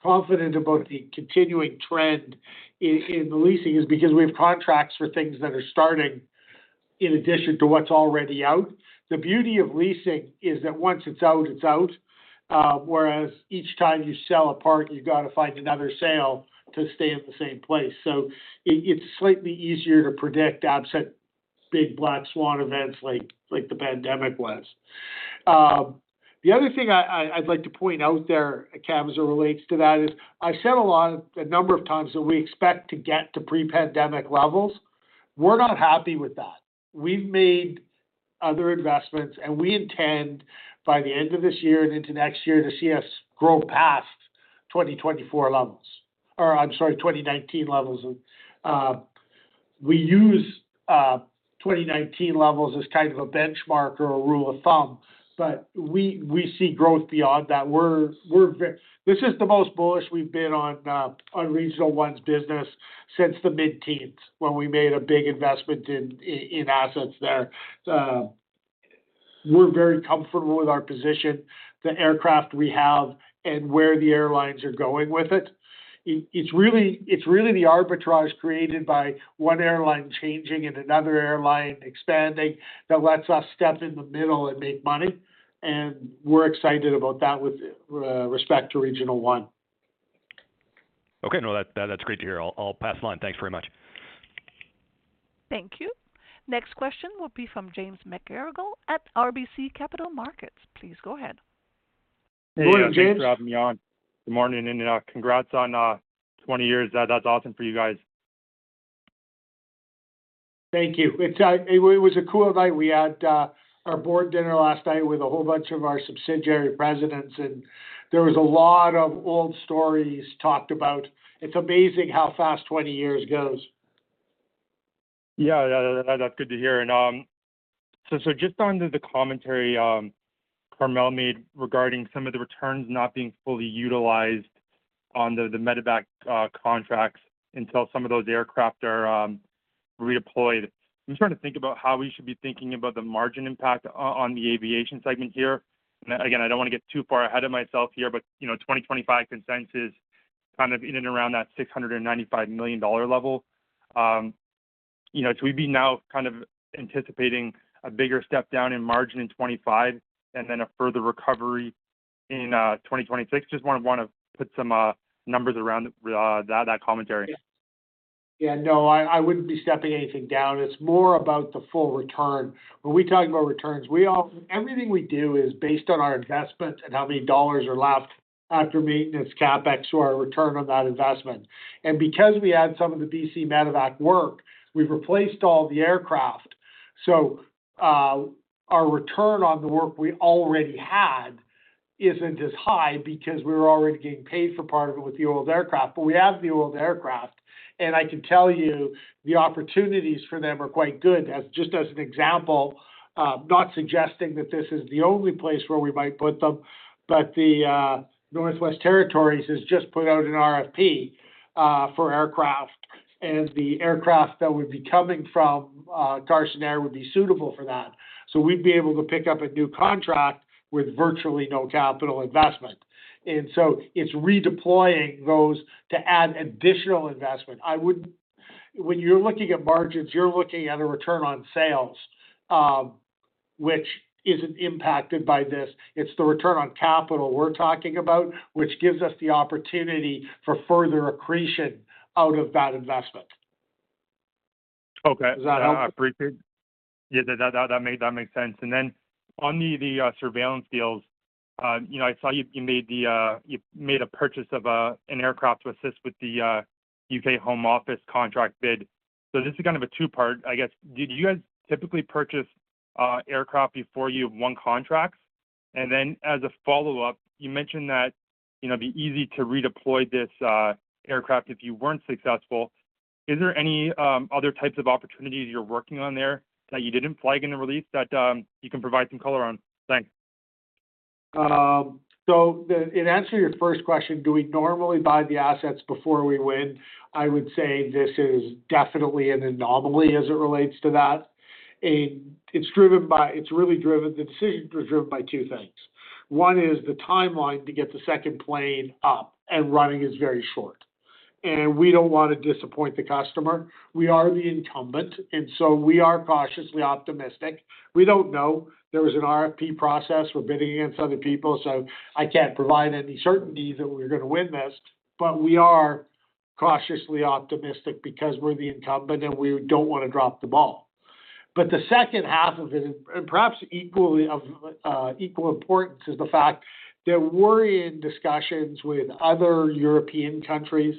confident about the continuing trend in the leasing is because we have contracts for things that are starting, in addition to what's already out. The beauty of leasing is that once it's out, it's out. Whereas each time you sell a part, you've got to find another sale to stay at the same place. So it's slightly easier to predict, absent big black swan events like the pandemic was. The other thing I'd like to point out there, Cameron, relates to that is, I've said a lot, a number of times, that we expect to get to pre-pandemic levels. We're not happy with that. We've made other investments, and we intend by the end of this year and into next year, to see us grow past 2024 levels or I'm sorry, 2019 levels. We use 2019 levels as kind of a benchmark or a rule of thumb, but we see growth beyond that. We're very. This is the most bullish we've been on Regional One's business since the mid-teens, when we made a big investment in assets there. We're very comfortable with our position, the aircraft we have, and where the airlines are going with it. It's really, it's really the arbitrage created by one airline changing and another airline expanding, that lets us step in the middle and make money, and we're excited about that with respect to Regional One. Okay. No, that's great to hear. I'll pass along. Thanks very much. Thank you. Next question will be from James McGarragle at RBC Capital Markets. Please go ahead. Go ahead, James. Thanks for having me on. Good morning, and congrats on 20 years. That's awesome for you guys. Thank you. It's, it was a cool night. We had, our board dinner last night with a whole bunch of our subsidiary presidents, and there was a lot of old stories talked about. It's amazing how fast 20 years goes. Yeah, yeah, that's good to hear, and...... Just on to the commentary Carmele made regarding some of the returns not being fully utilized on the Medevac contracts until some of those aircraft are redeployed. I'm trying to think about how we should be thinking about the margin impact on the aviation segment here. And again, I don't wanna get too far ahead of myself here, but you know, 2025 consensus kind of in and around that 695 million dollar level. You know, so we'd be now kind of anticipating a bigger step down in margin in 2025, and then a further recovery in 2026. Just wanna put some numbers around that commentary. Yeah, no, I, I wouldn't be stepping anything down. It's more about the full return. When we talk about returns, we all, everything we do is based on our investment and how many dollars are left after maintenance, CapEx, or our return on that investment. And because we add some of the BC Medevac work, we've replaced all the aircraft. So, our return on the work we already had isn't as high because we were already getting paid for part of it with the old aircraft. But we have the old aircraft, and I can tell you, the opportunities for them are quite good. Just as an example, not suggesting that this is the only place where we might put them, but the Northwest Territories has just put out an RFP for aircraft, and the aircraft that would be coming from Carson Air would be suitable for that. So we'd be able to pick up a new contract with virtually no capital investment. So it's redeploying those to add additional investment. I would. When you're looking at margins, you're looking at a return on sales, which isn't impacted by this. It's the return on capital we're talking about, which gives us the opportunity for further accretion out of that investment. Okay. Does that help? I appreciate. Yeah, that makes sense. And then on the surveillance deals, you know, I saw you made a purchase of an aircraft to assist with the UK Home Office contract bid. So this is kind of a two-part, I guess. Did you guys typically purchase aircraft before you won contracts? And then as a follow-up, you mentioned that, you know, it'd be easy to redeploy this aircraft if you weren't successful. Is there any other types of opportunities you're working on there that you didn't flag in the release, that you can provide some color on? Thanks. So, in answer to your first question, do we normally buy the assets before we win? I would say this is definitely an anomaly as it relates to that. It's really driven. The decision was driven by two things. One is the timeline to get the second plane up and running is very short, and we don't want to disappoint the customer. We are the incumbent, and so we are cautiously optimistic. We don't know. There was an RFP process. We're bidding against other people, so I can't provide any certainty that we're gonna win this. But we are cautiously optimistic because we're the incumbent, and we don't wanna drop the ball. But the second half of it, and perhaps equally of equal importance, is the fact that we're in discussions with other European countries.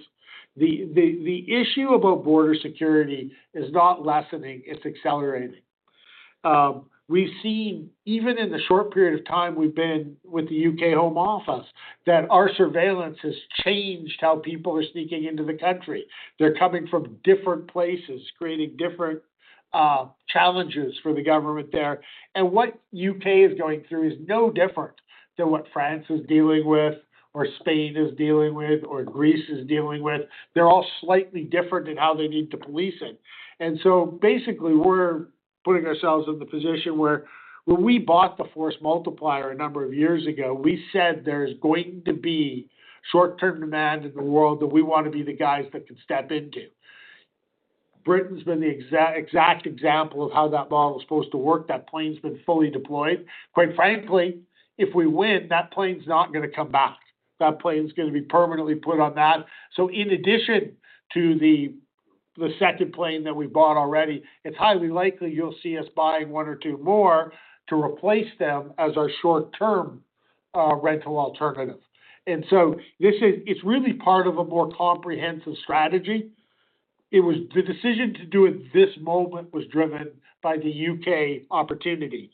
The issue about border security is not lessening, it's accelerating. We've seen, even in the short period of time we've been with the UK Home Office, that our surveillance has changed how people are sneaking into the country. They're coming from different places, creating different challenges for the government there. And what U.K. is going through is no different than what France is dealing with, or Spain is dealing with, or Greece is dealing with. They're all slightly different in how they need to police it. And so basically, we're putting ourselves in the position where when we bought the Force Multiplier a number of years ago, we said there's going to be short-term demand in the world that we want to be the guys that can step into. Britain's been the exact example of how that model is supposed to work. That plane's been fully deployed. Quite frankly, if we win, that plane's not gonna come back. That plane's gonna be permanently put on that. So in addition to the second plane that we bought already, it's highly likely you'll see us buying one or two more to replace them as our short-term rental alternative. And so this is - it's really part of a more comprehensive strategy. It was... The decision to do it this moment was driven by the U.K. opportunity,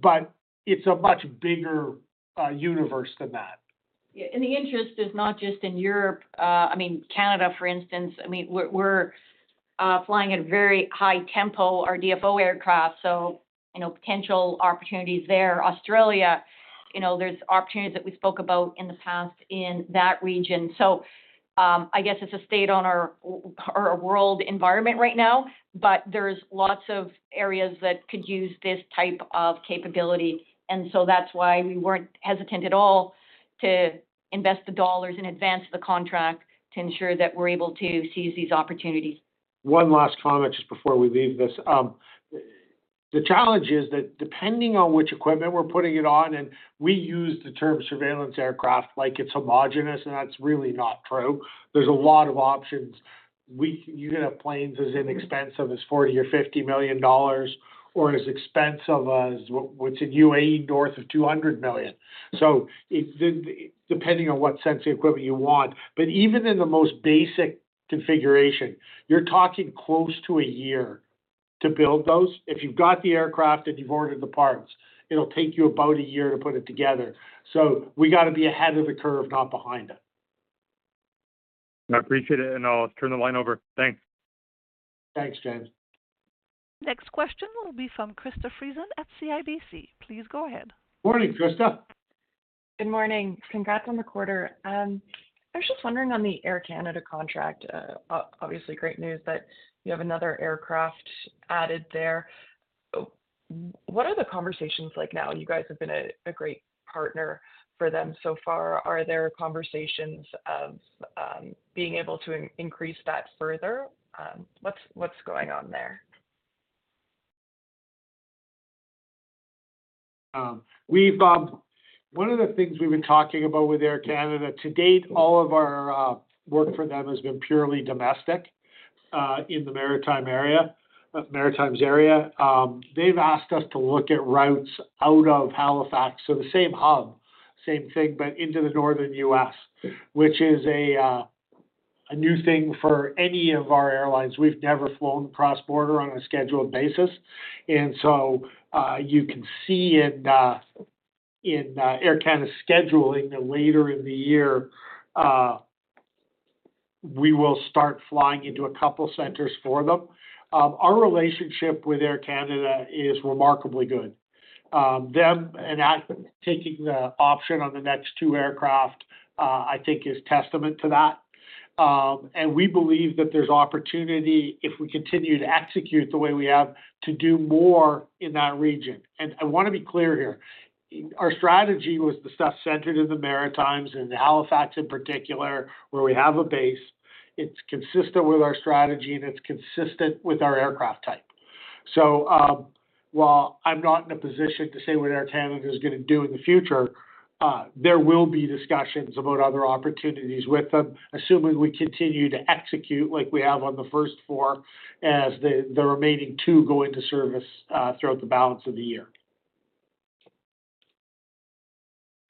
but it's a much bigger universe than that. Yeah, and the interest is not just in Europe. I mean, Canada, for instance, I mean, we're flying at a very high tempo, our DFO aircraft, so, you know, potential opportunities there. Australia, you know, there's opportunities that we spoke about in the past in that region. So, I guess it's a statement on our world environment right now, but there's lots of areas that could use this type of capability, and so that's why we weren't hesitant at all to invest the dollars and advance the contract to ensure that we're able to seize these opportunities. One last comment just before we leave this. The challenge is that depending on which equipment we're putting it on, and we use the term surveillance aircraft, like it's homogenous, and that's really not true. There's a lot of options. You can have planes as inexpensive as $40 million or $50 million, or as expensive as what's in UAE, north of $200 million. Depending on what sensory equipment you want, but even in the most basic configuration, you're talking close to a year to build those. If you've got the aircraft and you've ordered the parts, it'll take you about a year to put it together. So we got to be ahead of the curve, not behind it.... I appreciate it, and I'll turn the line over. Thanks. Thanks, James. Next question will be from Krista Friesen at CIBC. Please go ahead. Morning, Krista. Good morning. Congrats on the quarter. I was just wondering on the Air Canada contract, obviously great news that you have another aircraft added there. What are the conversations like now? You guys have been a great partner for them so far. Are there conversations of being able to increase that further? What's going on there? One of the things we've been talking about with Air Canada, to date, all of our work for them has been purely domestic in the Maritimes area. They've asked us to look at routes out of Halifax, so the same hub, same thing, but into the northern U.S., which is a new thing for any of our airlines. We've never flown cross-border on a scheduled basis. You can see in Air Canada's scheduling that later in the year, we will start flying into a couple centers for them. Our relationship with Air Canada is remarkably good. Them and actually taking the option on the next two aircraft, I think is testament to that. And we believe that there's opportunity, if we continue to execute the way we have, to do more in that region. I wanna be clear here, our strategy was the stuff centered in the Maritimes and Halifax in particular, where we have a base. It's consistent with our strategy, and it's consistent with our aircraft type. So, while I'm not in a position to say what Air Canada is gonna do in the future, there will be discussions about other opportunities with them, assuming we continue to execute like we have on the first four, as the remaining two go into service, throughout the balance of the year.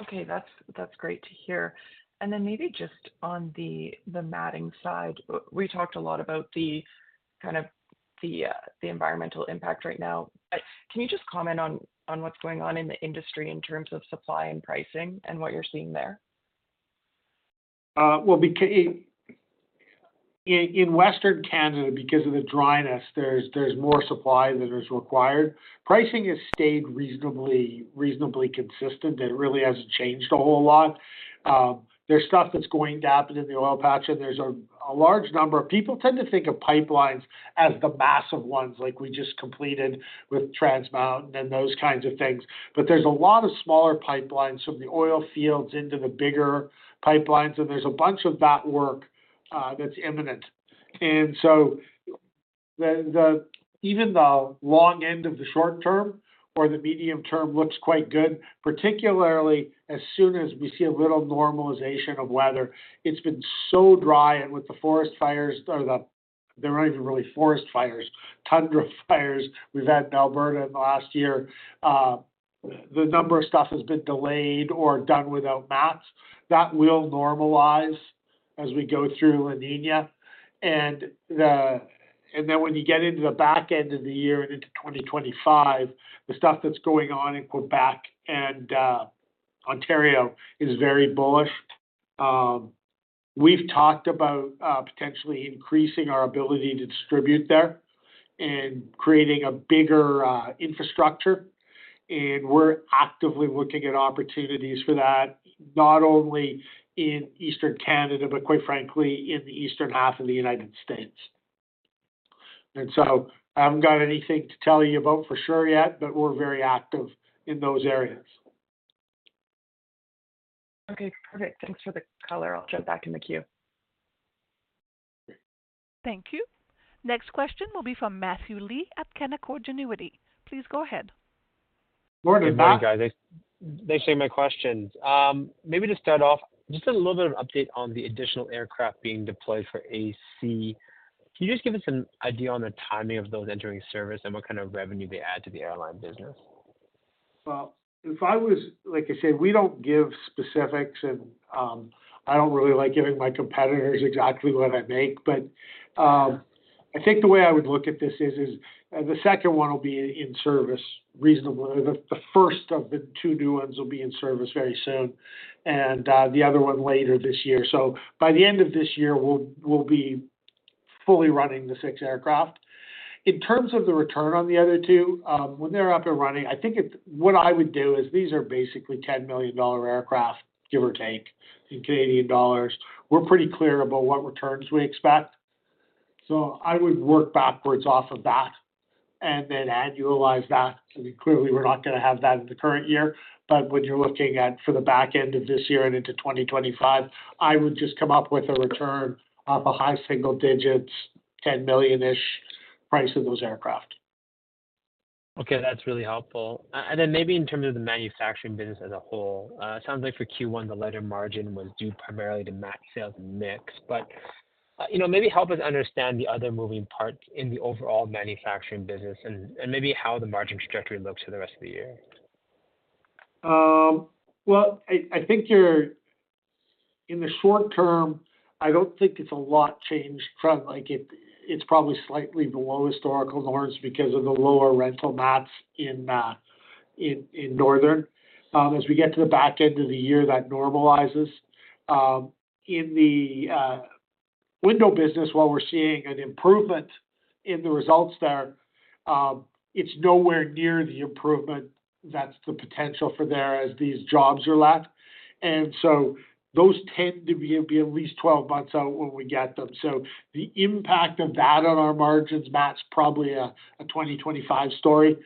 Okay, that's great to hear. Then maybe just on the matting side. We talked a lot about the kind of the environmental impact right now. Can you just comment on what's going on in the industry in terms of supply and pricing and what you're seeing there? Well, in Western Canada, because of the dryness, there's more supply than is required. Pricing has stayed reasonably consistent, and it really hasn't changed a whole lot. There's stuff that's going to happen in the oil patch, and there's a large number of— People tend to think of pipelines as the massive ones, like we just completed with Trans Mountain and those kinds of things. But there's a lot of smaller pipelines from the oil fields into the bigger pipelines, and there's a bunch of that work that's imminent. And so even the long end of the short term or the medium term looks quite good, particularly as soon as we see a little normalization of weather. It's been so dry, and with the forest fires or the... They're not even really forest fires, tundra fires we've had in Alberta in the last year. The number of stuff has been delayed or done without mats. That will normalize as we go through La Niña. And then when you get into the back end of the year and into 2025, the stuff that's going on in Quebec and Ontario is very bullish. We've talked about potentially increasing our ability to distribute there and creating a bigger infrastructure, and we're actively looking at opportunities for that, not only in Eastern Canada, but quite frankly, in the eastern half of the United States. And so I haven't got anything to tell you about for sure yet, but we're very active in those areas. Okay, perfect. Thanks for the color. I'll jump back in the queue. Thank you. Next question will be from Matthew Lee at Canaccord Genuity. Please go ahead. Morning, Matt. Good morning, guys. They saved my questions. Maybe to start off, just a little bit of update on the additional aircraft being deployed for AC. Can you just give us an idea on the timing of those entering service and what kind of revenue they add to the airline business? Well, if I was—like I said, we don't give specifics, and I don't really like giving my competitors exactly what I make. But I think the way I would look at this is the second one will be in service reasonably. The first of the two new ones will be in service very soon, and the other one later this year. So by the end of this year, we'll be fully running the six aircraft. In terms of the return on the other two, when they're up and running, I think it—what I would do is these are basically 10 million dollar aircraft, give or take, in Canadian dollars. We're pretty clear about what returns we expect. So I would work backwards off of that and then annualize that. I mean, clearly, we're not gonna have that in the current year, but when you're looking at for the back end of this year and into 2025, I would just come up with a return of a high single digits, 10 million-ish price of those aircraft. Okay, that's really helpful. And then maybe in terms of the manufacturing business as a whole, it sounds like for Q1, the lighter margin was due primarily to mat sales and mix. But, you know, maybe help us understand the other moving parts in the overall manufacturing business and maybe how the margin trajectory looks for the rest of the year. Well, I think you're in the short term. I don't think it's a lot changed from like, it's probably slightly below historical norms because of the lower rental mats in Northern. As we get to the back end of the year, that normalizes. In the window business, while we're seeing an improvement in the results there, it's nowhere near the improvement that's the potential for there as these jobs are left. And so those tend to be at least 12 months out when we get them. So the impact of that on our margins, Matt, is probably a 2025 story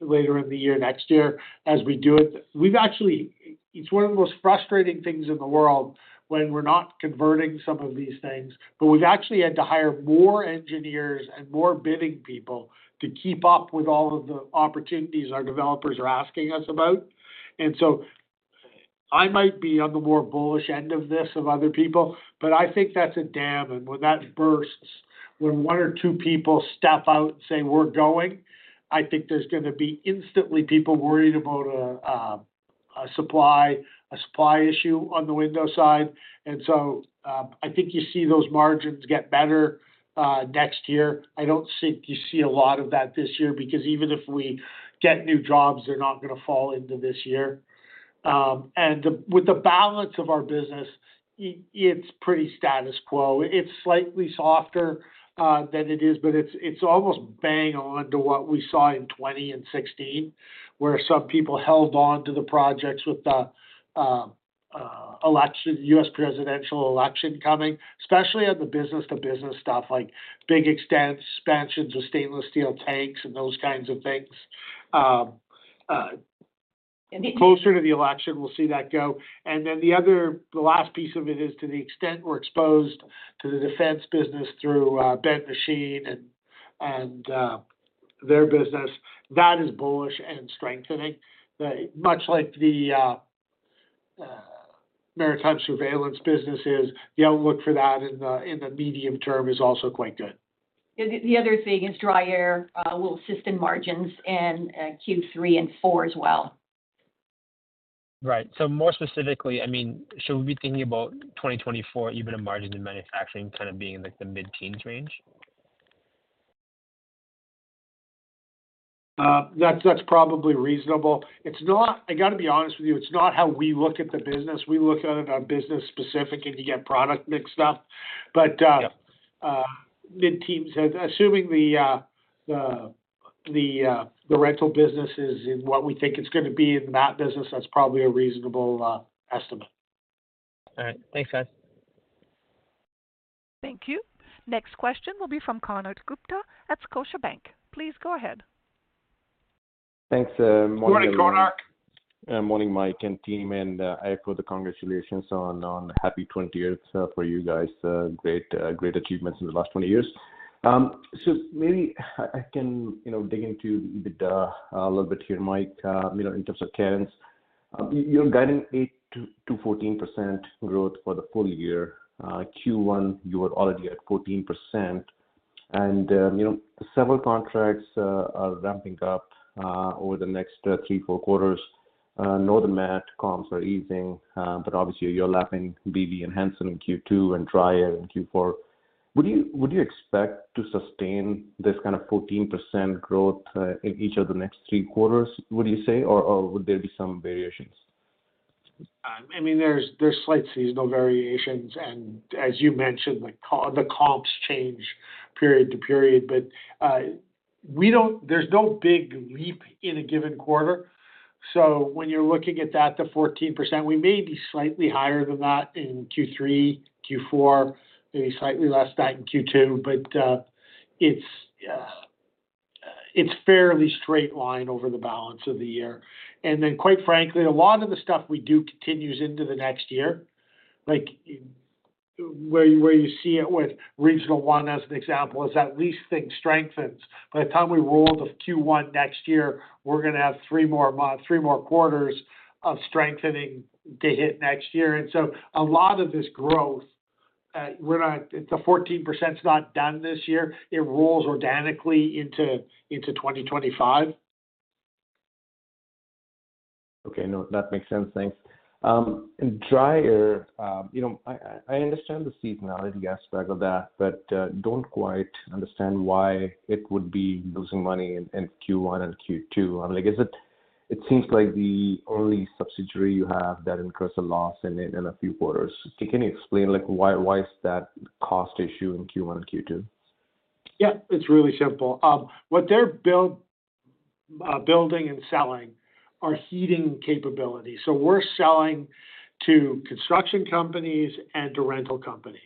later in the year, next year, as we do it. We've actually. It's one of the most frustrating things in the world when we're not converting some of these things, but we've actually had to hire more engineers and more bidding people to keep up with all of the opportunities our developers are asking us about. And so I might be on the more bullish end of this of other people, but I think that's a dam, and when that bursts, when one or two people step out and say, "We're going," I think there's gonna be instantly people worried about a, a supply, a supply issue on the window side. And so, I think you see those margins get better, next year. I don't think you see a lot of that this year, because even if we get new jobs, they're not gonna fall into this year. And with the balance of our business, it's pretty status quo. It's slightly softer than it is, but it's almost bang on to what we saw in 2016, where some people held on to the projects with the election, U.S. presidential election coming, especially on the business to business stuff, like big expansions of stainless steel tanks and those kinds of things. Closer to the election, we'll see that go. And then the last piece of it is, to the extent we're exposed to the defense business through Ben Machine and their business, that is bullish and strengthening. Much like the maritime surveillance business is, the outlook for that in the medium term is also quite good. The other thing is DryAir will assist in margins in Q3 and Q4 as well. Right. So more specifically, I mean, should we be thinking about 2024, even a margin in manufacturing kind of being in, like, the mid-teens range? That's, that's probably reasonable. It's not... I gotta be honest with you, it's not how we look at the business. We look at it on business specific, and you get product mixed up. Yep. But, mid-teens, assuming the rental business is what we think it's gonna be in that business, that's probably a reasonable estimate. All right. Thanks, guys. Thank you. Next question will be from Konark Gupta at Scotiabank. Please go ahead. Thanks, Konark- Good morning, Konark. Morning, Mike and team, and I echo the congratulations on happy 20th for you guys. Great achievements in the last 20 years. So maybe I can, you know, dig into a little bit here, Mike, you know, in terms of earnings. You're guiding 8%-14% growth for the full year. Q1, you are already at 14%. And you know, several contracts are ramping up over the next three or four quarters. Northern Mat comps are easing, but obviously, you're lapping BV and Hansen in Q2 and DryAir in Q4. Would you expect to sustain this kind of 14% growth in each of the next three quarters, would you say? Or would there be some variations? I mean, there's, there's slight seasonal variations, and as you mentioned, like, the comps change period to period. But, we don't. There's no big leap in a given quarter. So when you're looking at that, the 14%, we may be slightly higher than that in Q3, Q4, maybe slightly less than that in Q2, but, it's, it's fairly straight line over the balance of the year. And then, quite frankly, a lot of the stuff we do continues into the next year. Like, where, where you see it with Regional One as an example, is that lease thing strengthens. By the time we roll those Q1 next year, we're gonna have three more months, three more quarters of strengthening to hit next year. And so a lot of this growth, we're not. The 14%'s not done this year. It rolls organically into 2025. Okay. No, that makes sense. Thanks. In DryAir, you know, I understand the seasonality aspect of that, but don't quite understand why it would be losing money in Q1 and Q2. I'm like, is it. It seems like the only subsidiary you have that incurs a loss in a few quarters. Can you explain, like, why is that cost issue in Q1 and Q2? Yeah, it's really simple. What they're building and selling are heating capabilities. So we're selling to construction companies and to rental companies.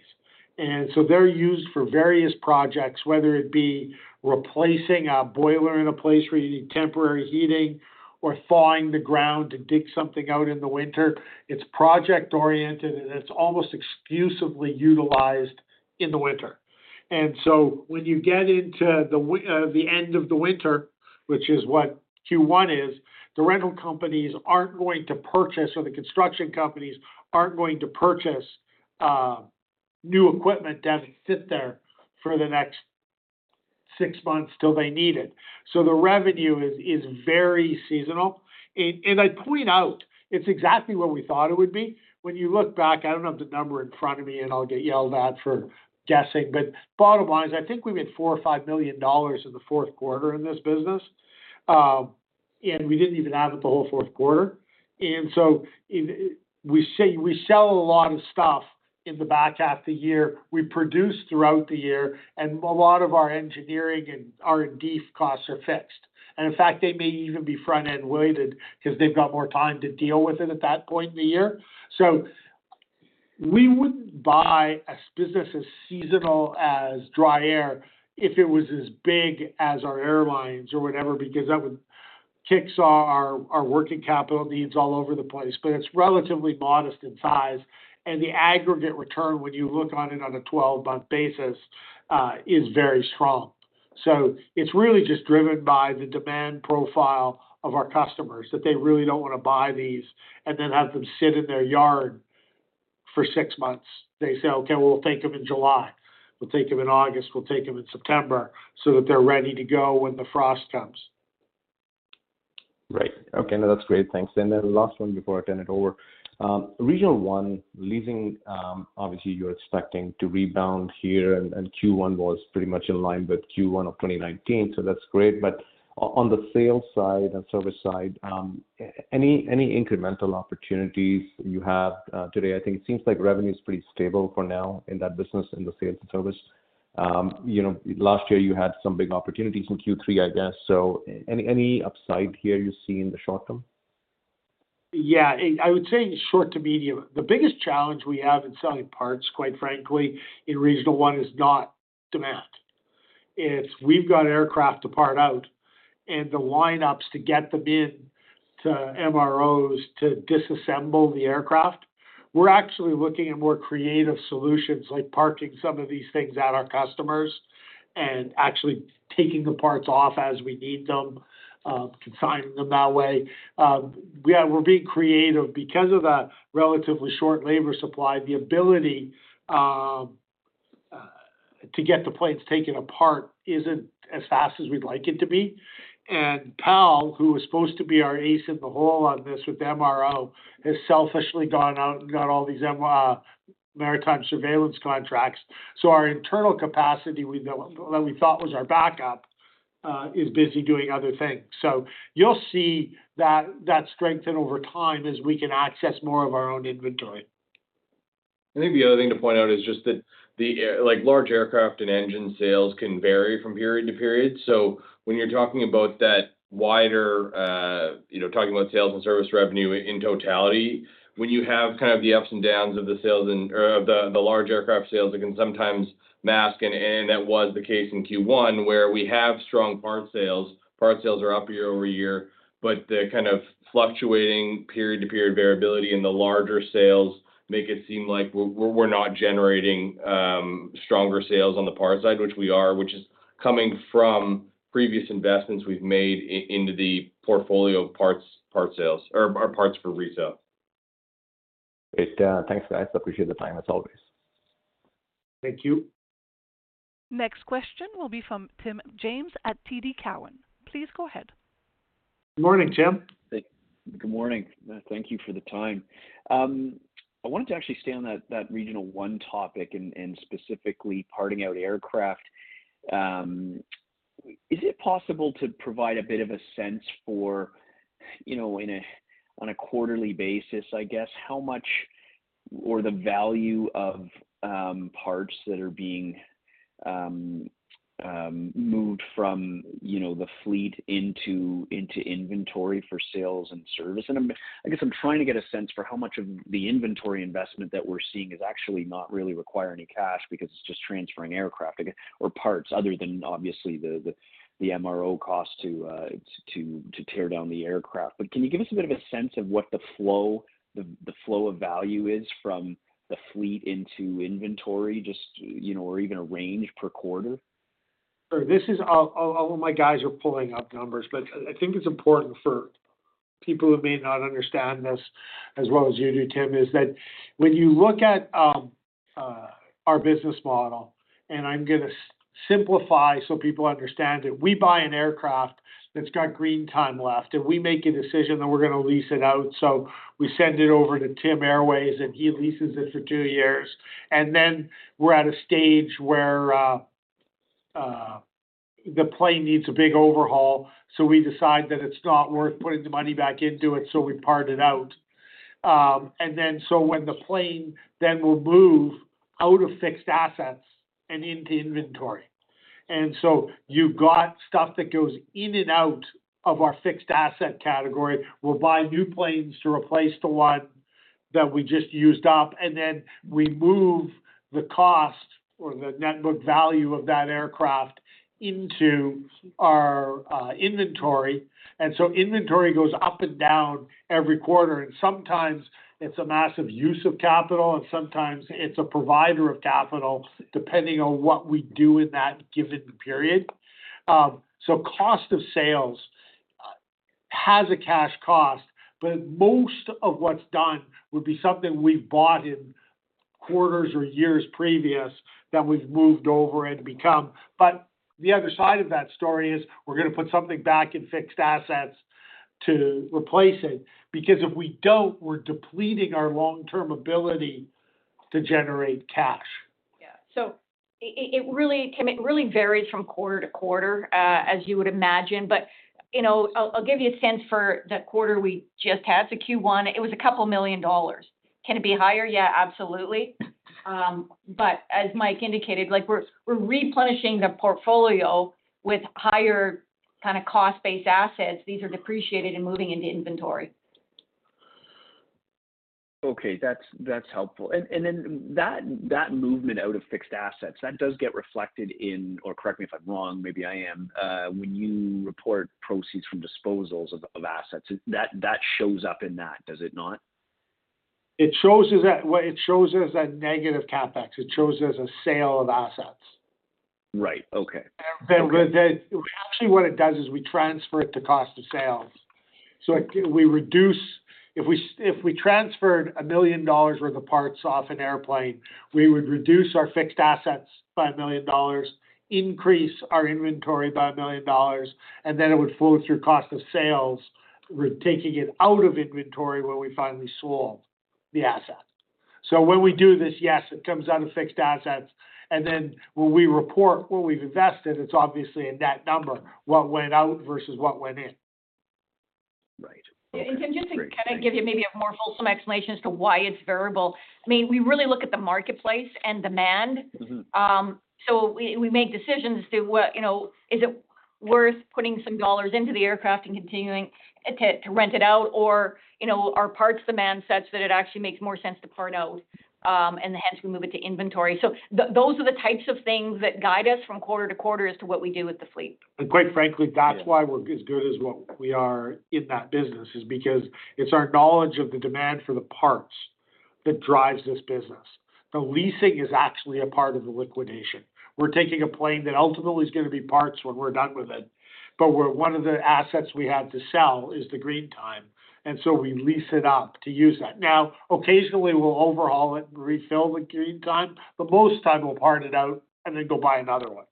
And so they're used for various projects, whether it be replacing a boiler in a place where you need temporary heating or thawing the ground to dig something out in the winter. It's project-oriented, and it's almost exclusively utilized in the winter. And so when you get into the end of the winter, which is what Q1 is, the rental companies aren't going to purchase, or the construction companies aren't going to purchase new equipment to have it sit there for the next six months till they need it. So the revenue is very seasonal.... And I point out, it's exactly what we thought it would be. When you look back, I don't have the number in front of me, and I'll get yelled at for guessing, but bottom line is, I think we made 4 million or 5 million dollars in the fourth quarter in this business. And we didn't even have it the whole fourth quarter. So if we see we sell a lot of stuff in the back half of the year, we produce throughout the year, and a lot of our engineering and R&D costs are fixed. And in fact, they may even be front-end weighted because they've got more time to deal with it at that point in the year. So we wouldn't buy a business as seasonal as DryAir if it was as big as our airlines or whatever, because that would kicks our, our working capital needs all over the place. But it's relatively modest in size, and the aggregate return, when you look on it on a 12-month basis, is very strong. So it's really just driven by the demand profile of our customers, that they really don't want to buy these and then have them sit in their yard for six months. They say, "Okay, we'll take them in July. We'll take them in August. We'll take them in September, so that they're ready to go when the frost comes. Great. Okay, no, that's great. Thanks. And then last one before I turn it over. Regional One leasing, obviously, you're expecting to rebound here, and Q1 was pretty much in line with Q1 of 2019, so that's great. But on the sales side and service side, any incremental opportunities you have today? I think it seems like revenue is pretty stable for now in that business, in the sales and service. You know, last year you had some big opportunities in Q3, I guess. So any upside here you see in the short term? Yeah, I would say short to medium. The biggest challenge we have in selling parts, quite frankly, in Regional One, is not demand. It's we've got aircraft to part out, and the lineups to get them in to MROs to disassemble the aircraft. We're actually looking at more creative solutions, like parking some of these things at our customers and actually taking the parts off as we need them, consigning them that way. We're being creative. Because of the relatively short labor supply, the ability to get the planes taken apart isn't as fast as we'd like it to be. And PAL, who was supposed to be our ace in the hole on this with MRO, has selfishly gone out and got all these maritime surveillance contracts. So our internal capacity that we thought was our backup is busy doing other things. So you'll see that strengthen over time as we can access more of our own inventory. I think the other thing to point out is just that the like, large aircraft and engine sales can vary from period to period. So when you're talking about that wider, you know, talking about sales and service revenue in totality, when you have kind of the ups and downs of the sales or of the, the large aircraft sales, it can sometimes mask. That was the case in Q1, where we have strong parts sales. Parts sales are up year over year, but the kind of fluctuating period-to-period variability in the larger sales make it seem like we're not generating stronger sales on the parts side, which we are, which is coming from previous investments we've made into the portfolio of parts, parts sales or our parts for resale. Great. Thanks, guys. I appreciate the time, as always. Thank you. Next question will be from Tim James at TD Cowen. Please go ahead. Good morning, Tim. Good morning. Thank you for the time. I wanted to actually stay on that Regional One topic and specifically parting out aircraft. Is it possible to provide a bit of a sense for, you know, on a quarterly basis, I guess, how much or the value of parts that are being moved from, you know, the fleet into inventory for sales and service? And I guess I'm trying to get a sense for how much of the inventory investment that we're seeing is actually not really requiring any cash because it's just transferring aircraft, again, or parts, other than obviously the MRO cost to tear down the aircraft. Can you give us a bit of a sense of what the flow of value is from the fleet into inventory, just, you know, or even a range per quarter? My guys are pulling up numbers, but I think it's important for people who may not understand this as well as you do, Tim, is that when you look at our business model, and I'm gonna simplify so people understand it. We buy an aircraft that's got green time left, and we make a decision that we're gonna lease it out. So we send it over to Tim Airways, and he leases it for two years. And then we're at a stage where the plane needs a big overhaul, so we decide that it's not worth putting the money back into it, so we part it out. And then, when the plane then will move out of fixed assets and into inventory. And so you've got stuff that goes in and out of our fixed asset category. We'll buy new planes to replace the one that we just used up, and then we move the cost or the net book value of that aircraft into our inventory. So inventory goes up and down every quarter, and sometimes it's a massive use of capital, and sometimes it's a provider of capital, depending on what we do in that given period. So cost of sales has a cash cost, but most of what's done would be something we've bought in quarters or years previous that we've moved over and become. But the other side of that story is we're gonna put something back in fixed assets to replace it, because if we don't, we're depleting our long-term ability to generate cash. Yeah. So it really varies from quarter to quarter, as you would imagine. But, you know, I'll, I'll give you a sense for the quarter we just had, so Q1, it was 2 million dollars. Can it be higher? Yeah, absolutely. But as Mike indicated, like we're, we're replenishing the portfolio with higher kind of cost-based assets. These are depreciated and moving into inventory. Okay, that's helpful. And then that movement out of fixed assets, that does get reflected in... Or correct me if I'm wrong, maybe I am, when you report proceeds from disposals of assets, that shows up in that, does it not? It shows as, well, it shows as a negative CapEx. It shows as a sale of assets. Right. Okay. Then with that, actually what it does is we transfer it to cost of sales. So we reduce. If we transferred 1 million dollars worth of parts off an airplane, we would reduce our fixed assets by 1 million dollars, increase our inventory by 1 million dollars, and then it would flow through cost of sales, we're taking it out of inventory when we finally sold the asset. So when we do this, yes, it comes out of fixed assets, and then when we report what we've invested, it's obviously a net number, what went out versus what went in. Right. Okay. Just to kind of give you maybe a more wholesome explanation as to why it's variable, I mean, we really look at the marketplace and demand. Mm-hmm. So we make decisions to what—you know, is it worth putting some dollars into the aircraft and continuing to rent it out, or, you know, are parts demand such that it actually makes more sense to part out, and hence we move it to inventory? So those are the types of things that guide us from quarter to quarter as to what we do with the fleet. Quite frankly, that's why we're as good as what we are in that business, is because it's our knowledge of the demand for the parts that drives this business. The leasing is actually a part of the liquidation. We're taking a plane that ultimately is gonna be parts when we're done with it, but one of the assets we have to sell is the green time, and so we lease it up to use that. Now, occasionally, we'll overhaul it, refill the green time, but most time we'll part it out and then go buy another one.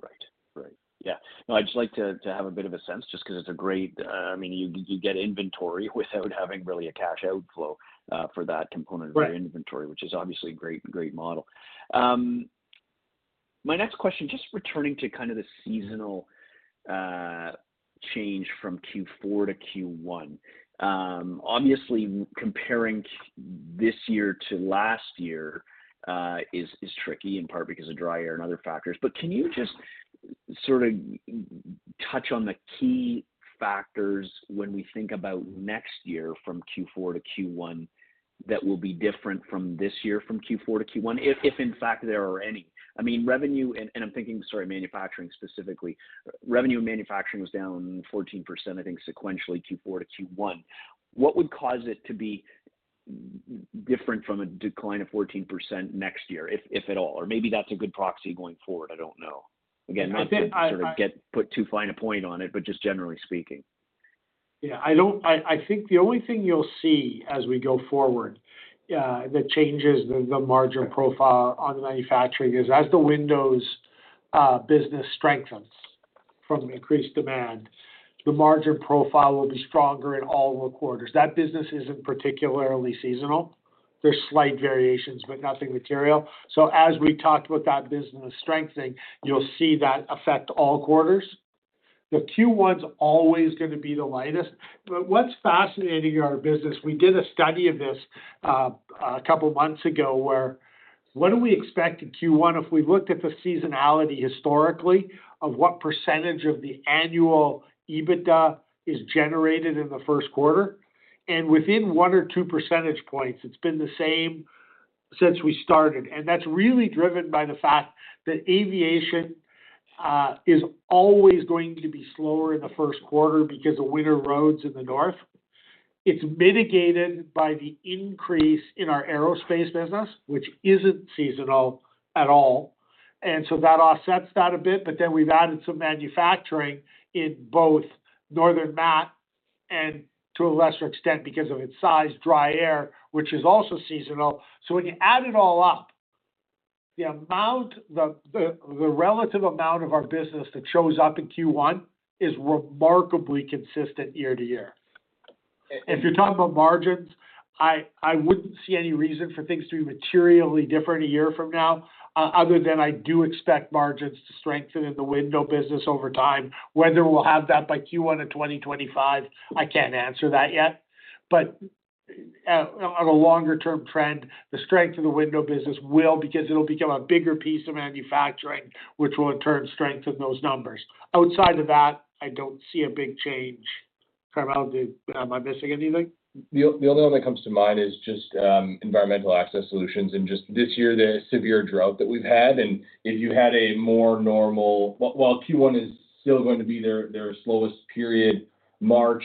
Right. Right. Yeah. No, I'd just like to have a bit of a sense, just because it's a great... I mean, you get inventory without having really a cash outflow for that component. Right... of your inventory, which is obviously a great, great model. My next question, just returning to kind of the seasonal change from Q4 to Q1. Obviously, comparing this year to last year, is tricky, in part because of DryAir and other factors. But can you just sort of touch on the key factors when we think about next year from Q4 to Q1, that will be different from this year, from Q4 to Q1, if in fact there are any? I mean, revenue, and I'm thinking, sorry, manufacturing specifically. Revenue in manufacturing was down 14%, I think, sequentially, Q4 to Q1. What would cause it to be different from a decline of 14% next year, if at all? Or maybe that's a good proxy going forward, I don't know. Again, not to sort of put too fine a point on it, but just generally speaking. Yeah, I don't—I think the only thing you'll see as we go forward that changes the margin profile on manufacturing is as the windows business strengthens from increased demand, the margin profile will be stronger in all the quarters. That business isn't particularly seasonal. There's slight variations, but nothing material. So as we talked about that business strengthening, you'll see that affect all quarters. The Q1's always gonna be the lightest. But what's fascinating in our business, we did a study of this a couple of months ago, where what do we expect in Q1 if we looked at the seasonality historically, of what percentage of the annual EBITDA is generated in the first quarter? And within one or 2 percentage points, it's been the same since we started. And that's really driven by the fact that aviation is always going to be slower in the first quarter because of winter roads in the north. It's mitigated by the increase in our aerospace business, which isn't seasonal at all, and so that offsets that a bit. But then we've added some manufacturing in both Northern Mat and, to a lesser extent, because of its size, DryAir, which is also seasonal. So when you add it all up, the amount, the relative amount of our business that shows up in Q1 is remarkably consistent year to year. If you're talking about margins, I wouldn't see any reason for things to be materially different a year from now, other than I do expect margins to strengthen in the window business over time. Whether we'll have that by Q1 of 2025, I can't answer that yet. But, on a longer term trend, the strength of the window business will, because it'll become a bigger piece of manufacturing, which will in turn strengthen those numbers. Outside of that, I don't see a big change. Carmele, am I missing anything? The only one that comes to mind is just environmental access solutions, and just this year, the severe drought that we've had, and if you had a more normal... Well, Q1 is still going to be their slowest period. March,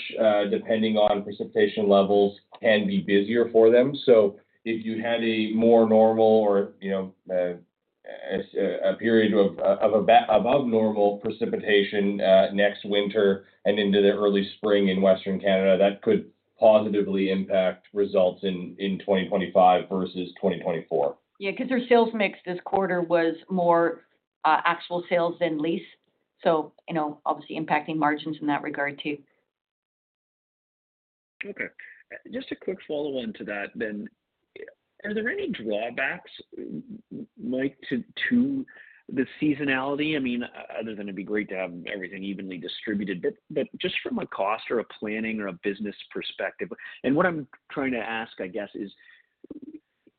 depending on precipitation levels, can be busier for them. So if you had a more normal or, you know,... as a period of abnormal precipitation next winter and into the early spring in Western Canada, that could positively impact results in 2025 versus 2024? Yeah, 'cause their sales mix this quarter was more actual sales than lease. So, you know, obviously impacting margins in that regard, too. Okay. Just a quick follow-on to that then. Are there any drawbacks, Mike, to the seasonality? I mean, other than it'd be great to have everything evenly distributed. But just from a cost or a planning or a business perspective, and what I'm trying to ask, I guess, is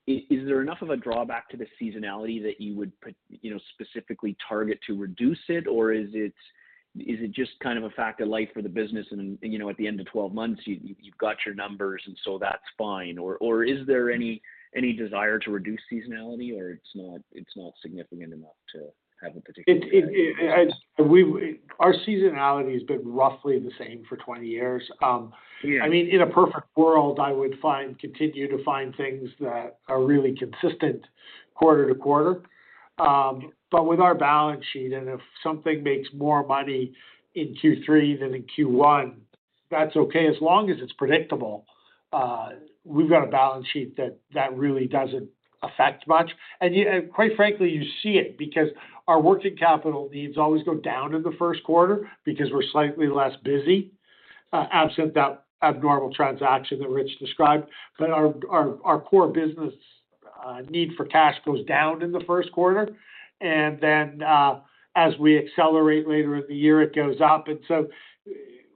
there enough of a drawback to the seasonality that you would, you know, specifically target to reduce it? Or is it just kind of a fact of life for the business and, you know, at the end of 12 months, you've got your numbers, and so that's fine? Or is there any desire to reduce seasonality, or it's not significant enough to have a particular impact? Our seasonality has been roughly the same for 20 years. Yeah. I mean, in a perfect world, I would find, continue to find things that are really consistent quarter to quarter. But with our balance sheet, and if something makes more money in Q3 than in Q1, that's okay, as long as it's predictable. We've got a balance sheet that, that really doesn't affect much. And yet, and quite frankly, you see it, because our working capital needs always go down in the first quarter because we're slightly less busy, absent that abnormal transaction that Rich described. But our, our, our core business, need for cash goes down in the first quarter, and then, as we accelerate later in the year, it goes up. And so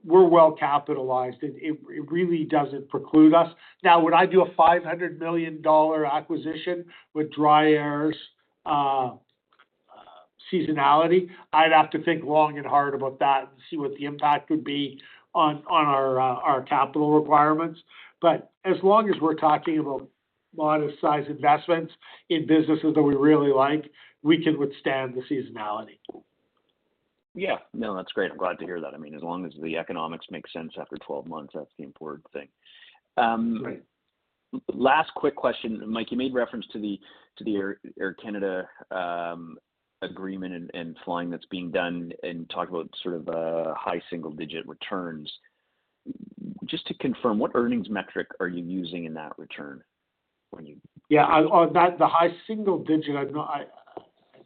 we're well capitalized. It, it, it really doesn't preclude us. Now, would I do a 500 million dollar acquisition with DryAir's seasonality? I'd have to think long and hard about that and see what the impact would be on our capital requirements. But as long as we're talking about modest size investments in businesses that we really like, we can withstand the seasonality. Yeah. No, that's great. I'm glad to hear that. I mean, as long as the economics make sense after 12 months, that's the important thing. Right. Last quick question. Mike, you made reference to the Air Canada agreement and flying that's being done and talked about sort of high single digit returns. Just to confirm, what earnings metric are you using in that return when you- Yeah, on that, the high single digit, I've not.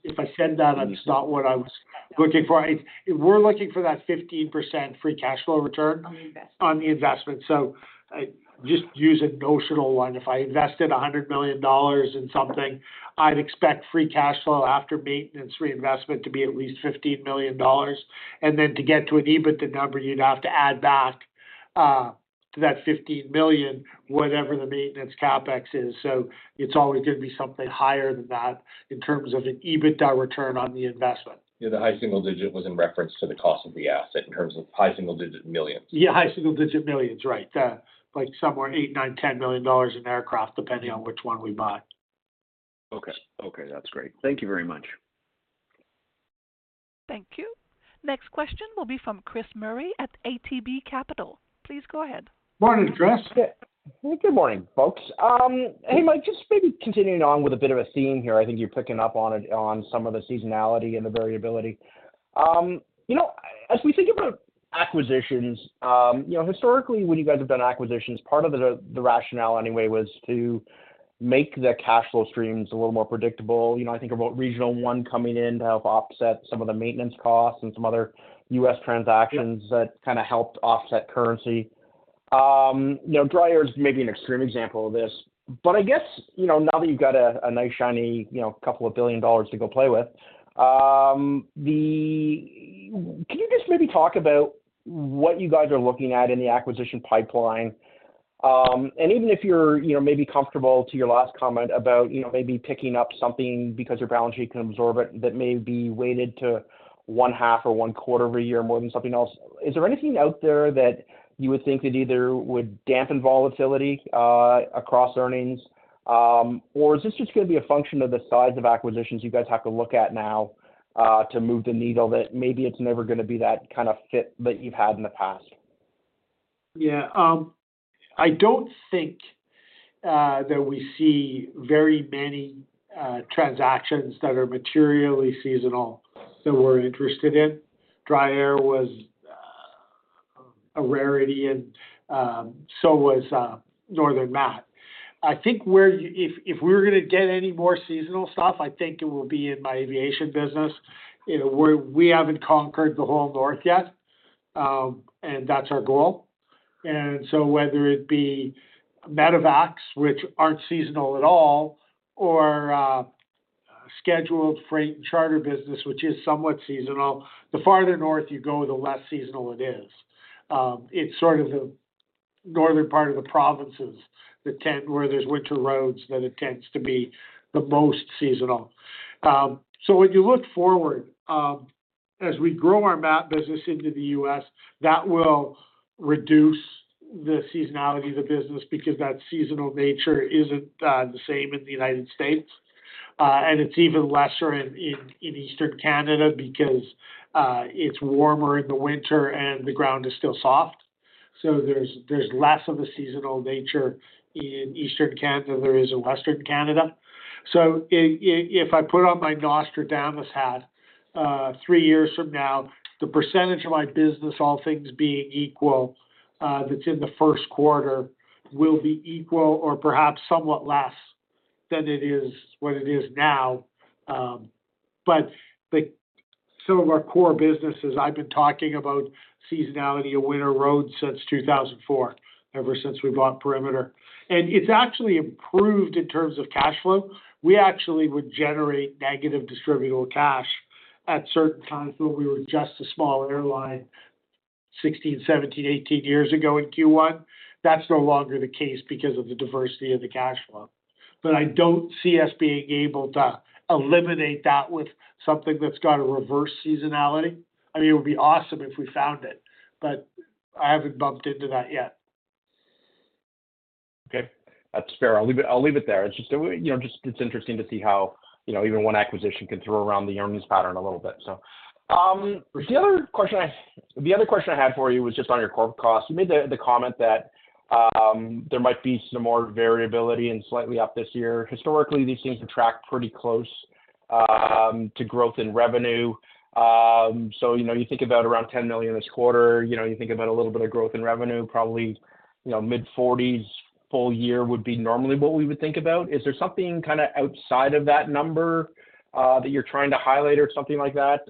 If I said that, that's not what I was looking for. It's if we're looking for that 15% free cash flow return- On the investment.... on the investment. So I just use a notional one. If I invested 100 million dollars in something, I'd expect free cash flow after maintenance reinvestment to be at least 15 million dollars. And then to get to an EBITDA number, you'd have to add back to that 15 million, whatever the maintenance CapEx is. So it's always going to be something higher than that in terms of an EBITDA return on the investment. Yeah, the high single-digit was in reference to the cost of the asset in terms of high single-digit millions. Yeah, high single digit millions, right. Like somewhere 8 million-10 million dollars in aircraft, depending on which one we bought. Okay. Okay, that's great. Thank you very much. Thank you. Next question will be from Chris Murray at ATB Capital. Please go ahead. Morning, Chris. Good morning, folks. Hey, Mike, just maybe continuing on with a bit of a theme here. I think you're picking up on it, on some of the seasonality and the variability. You know, as we think about acquisitions, you know, historically, when you guys have done acquisitions, part of the rationale anyway, was to make the cash flow streams a little more predictable. You know, I think about Regional One coming in to help offset some of the maintenance costs and some other U.S. transactions- Yeah... that kinda helped offset currency. You know, DryAir is maybe an extreme example of this, but I guess, you know, now that you've got a nice, shiny, you know, couple of billion dollars to go play with, can you just maybe talk about what you guys are looking at in the acquisition pipeline? And even if you're, you know, maybe comfortable to your last comment about, you know, maybe picking up something because your balance sheet can absorb it, that may be weighted to one half or one quarter a year more than something else, is there anything out there that you would think that either would dampen volatility across earnings? Or is this just gonna be a function of the size of acquisitions you guys have to look at now, to move the needle, that maybe it's never gonna be that kind of fit that you've had in the past? Yeah. I don't think that we see very many transactions that are materially seasonal, that we're interested in. DryAir was a rarity, and so was Northern Mat. I think if we're gonna get any more seasonal stuff, I think it will be in my aviation business, you know, where we haven't conquered the whole North yet, and that's our goal. And so whether it be Medevacs, which aren't seasonal at all, or scheduled freight and charter business, which is somewhat seasonal, the farther north you go, the less seasonal it is. It's sort of the northern part of the provinces, the tent where there's winter roads, that it tends to be the most seasonal. So when you look forward, as we grow our mat business into the U.S., that will reduce the seasonality of the business, because that seasonal nature isn't the same in the United States. And it's even lesser in Eastern Canada because it's warmer in the winter and the ground is still soft. So there's less of a seasonal nature in Eastern Canada than there is in Western Canada. So if I put on my Nostradamus hat, three years from now, the percentage of my business, all things being equal, that's in the first quarter, will be equal or perhaps somewhat less than it is, what it is now. But the some of our core businesses, I've been talking about seasonality of winter roads since 2004, ever since we bought Perimeter. It's actually improved in terms of cash flow. We actually would generate negative distributable cash at certain times when we were just a small airline 16, 17, 18 years ago in Q1. That's no longer the case because of the diversity of the cash flow. But I don't see us being able to eliminate that with something that's got a reverse seasonality. I mean, it would be awesome if we found it, but I haven't bumped into that yet. Okay, that's fair. I'll leave it, I'll leave it there. It's just, you know, just it's interesting to see how, you know, even one acquisition can throw around the earnings pattern a little bit, so. The other question I had for you was just on your corporate cost. You made the comment that there might be some more variability and slightly up this year. Historically, these seems to track pretty close to growth in revenue. So, you know, you think about around 10 million this quarter, you know, you think about a little bit of growth in revenue, probably, you know, mid-40s full year would be normally what we would think about. Is there something kinda outside of that number that you're trying to highlight or something like that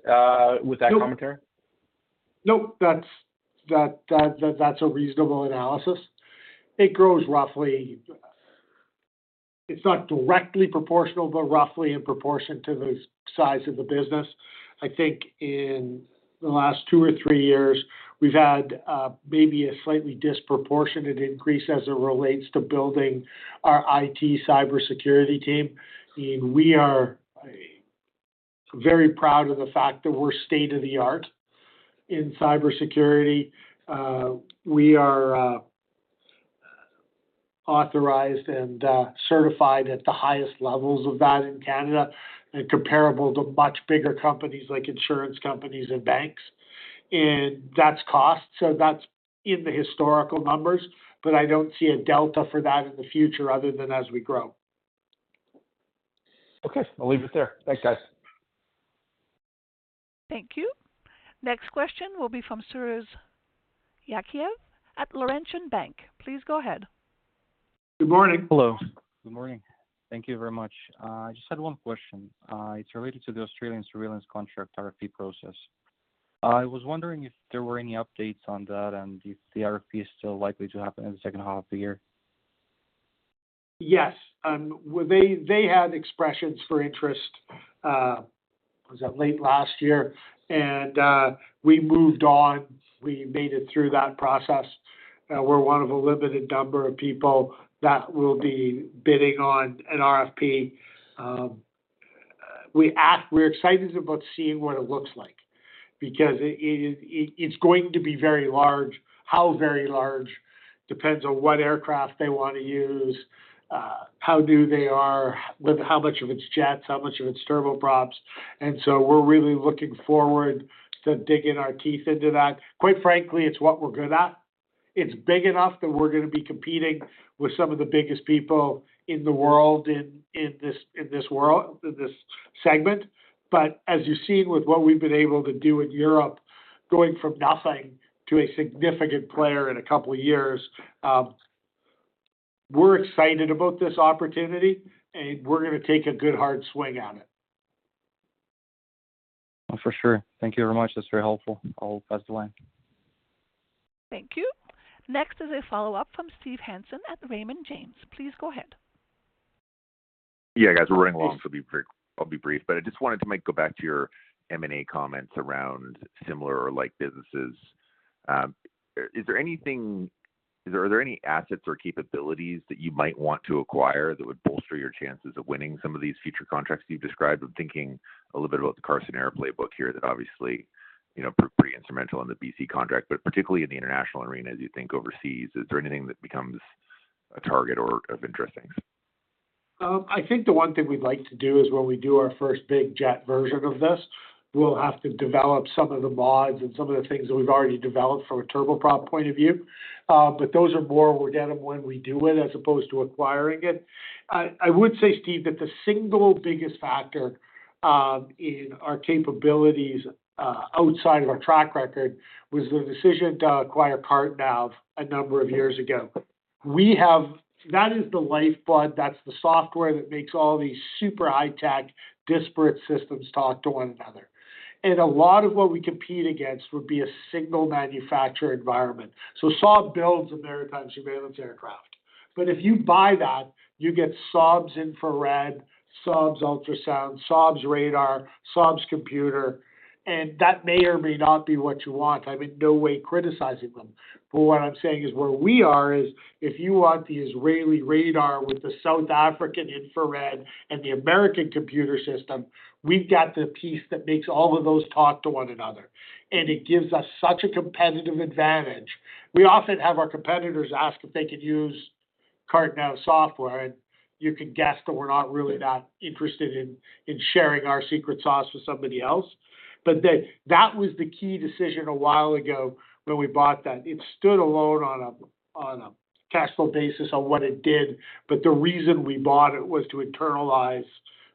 with that commentary? Nope. That's a reasonable analysis. It grows roughly... It's not directly proportional, but roughly in proportion to the size of the business. I think in the last two or three years, we've had maybe a slightly disproportionate increase as it relates to building our IT cybersecurity team. I mean, we are very proud of the fact that we're state-of-the-art in cybersecurity. We are authorized and certified at the highest levels of that in Canada and comparable to much bigger companies like insurance companies and banks. And that's cost, so that's in the historical numbers, but I don't see a delta for that in the future other than as we grow. Okay, I'll leave it there. Thanks, guys. Thank you. Next question will be from Firuz Yakhyayev at Laurentian Bank. Please go ahead. Good morning. Hello. Good morning. Thank you very much. I just had one question. It's related to the Australian surveillance contract RFP process. I was wondering if there were any updates on that and if the RFP is still likely to happen in the second half of the year? Yes. Well, they had expressions of interest. Was that late last year? We moved on. We made it through that process. We're one of a limited number of people that will be bidding on an RFP. We're excited about seeing what it looks like, because it, it's going to be very large. How very large depends on what aircraft they want to use, with how much of it's jets, how much of it's turboprops. So we're really looking forward to digging our teeth into that. Quite frankly, it's what we're good at. It's big enough that we're gonna be competing with some of the biggest people in the world, in this world, in this segment. But as you've seen with what we've been able to do in Europe, going from nothing to a significant player in a couple of years, we're excited about this opportunity, and we're gonna take a good, hard swing on it. Oh, for sure. Thank you very much. That's very helpful. I'll pass it along. Thank you. Next is a follow-up from Steve Hansen at Raymond James. Please go ahead. Yeah, guys, we're running along, so be very. I'll be brief. But I just wanted to make go back to your M&A comments around similar or like businesses. Is there anything? Are there any assets or capabilities that you might want to acquire that would bolster your chances of winning some of these future contracts you've described? I'm thinking a little bit about the Carson Air playbook here that obviously, you know, pretty instrumental in the BC contract, but particularly in the international arena, as you think overseas, is there anything that becomes a target or of interest? I think the one thing we'd like to do is when we do our first big jet version of this, we'll have to develop some of the mods and some of the things that we've already developed from a turboprop point of view. But those are more we're getting when we do it, as opposed to acquiring it. I would say, Steve, that the single biggest factor in our capabilities, outside of our track record, was the decision to acquire CarteNav a number of years ago. That is the lifeblood, that's the software that makes all these super high-tech, disparate systems talk to one another. And a lot of what we compete against would be a single manufacturer environment. So Saab builds a maritime surveillance aircraft, but if you buy that, you get Saab's infrared, Saab's ultrasound, Saab's radar, Saab's computer, and that may or may not be what you want. I'm in no way criticizing them, but what I'm saying is where we are is, if you want the Israeli radar with the South African infrared and the American computer system, we've got the piece that makes all of those talk to one another, and it gives us such a competitive advantage. We often have our competitors ask if they could use CarteNav software, and you can guess that we're not really that interested in sharing our secret sauce with somebody else. But that was the key decision a while ago when we bought that. It stood alone on a cash flow basis on what it did, but the reason we bought it was to internalize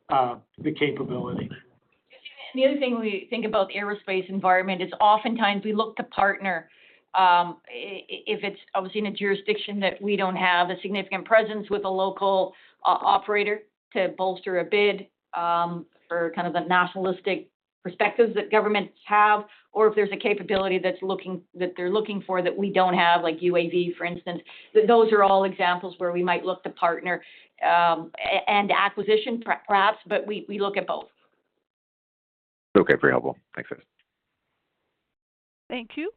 the capability. The other thing we think about the aerospace environment is oftentimes we look to partner, if it's obviously in a jurisdiction that we don't have a significant presence with a local operator to bolster a bid, for kind of the nationalistic perspectives that governments have, or if there's a capability that they're looking for that we don't have, like UAV, for instance. Those are all examples where we might look to partner, and acquisition perhaps, but we look at both. Okay, very helpful. Thanks, guys. Thank you.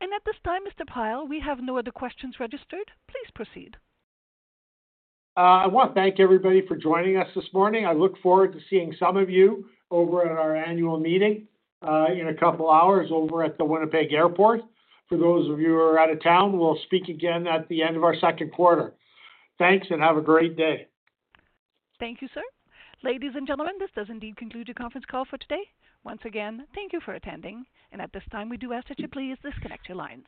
At this time, Mr. Pyle, we have no other questions registered. Please proceed. I want to thank everybody for joining us this morning. I look forward to seeing some of you over at our annual meeting, in a couple of hours over at the Winnipeg Airport. For those of you who are out of town, we'll speak again at the end of our second quarter. Thanks, and have a great day. Thank you, sir. Ladies and gentlemen, this does indeed conclude the conference call for today. Once again, thank you for attending, and at this time, we do ask that you please disconnect your lines.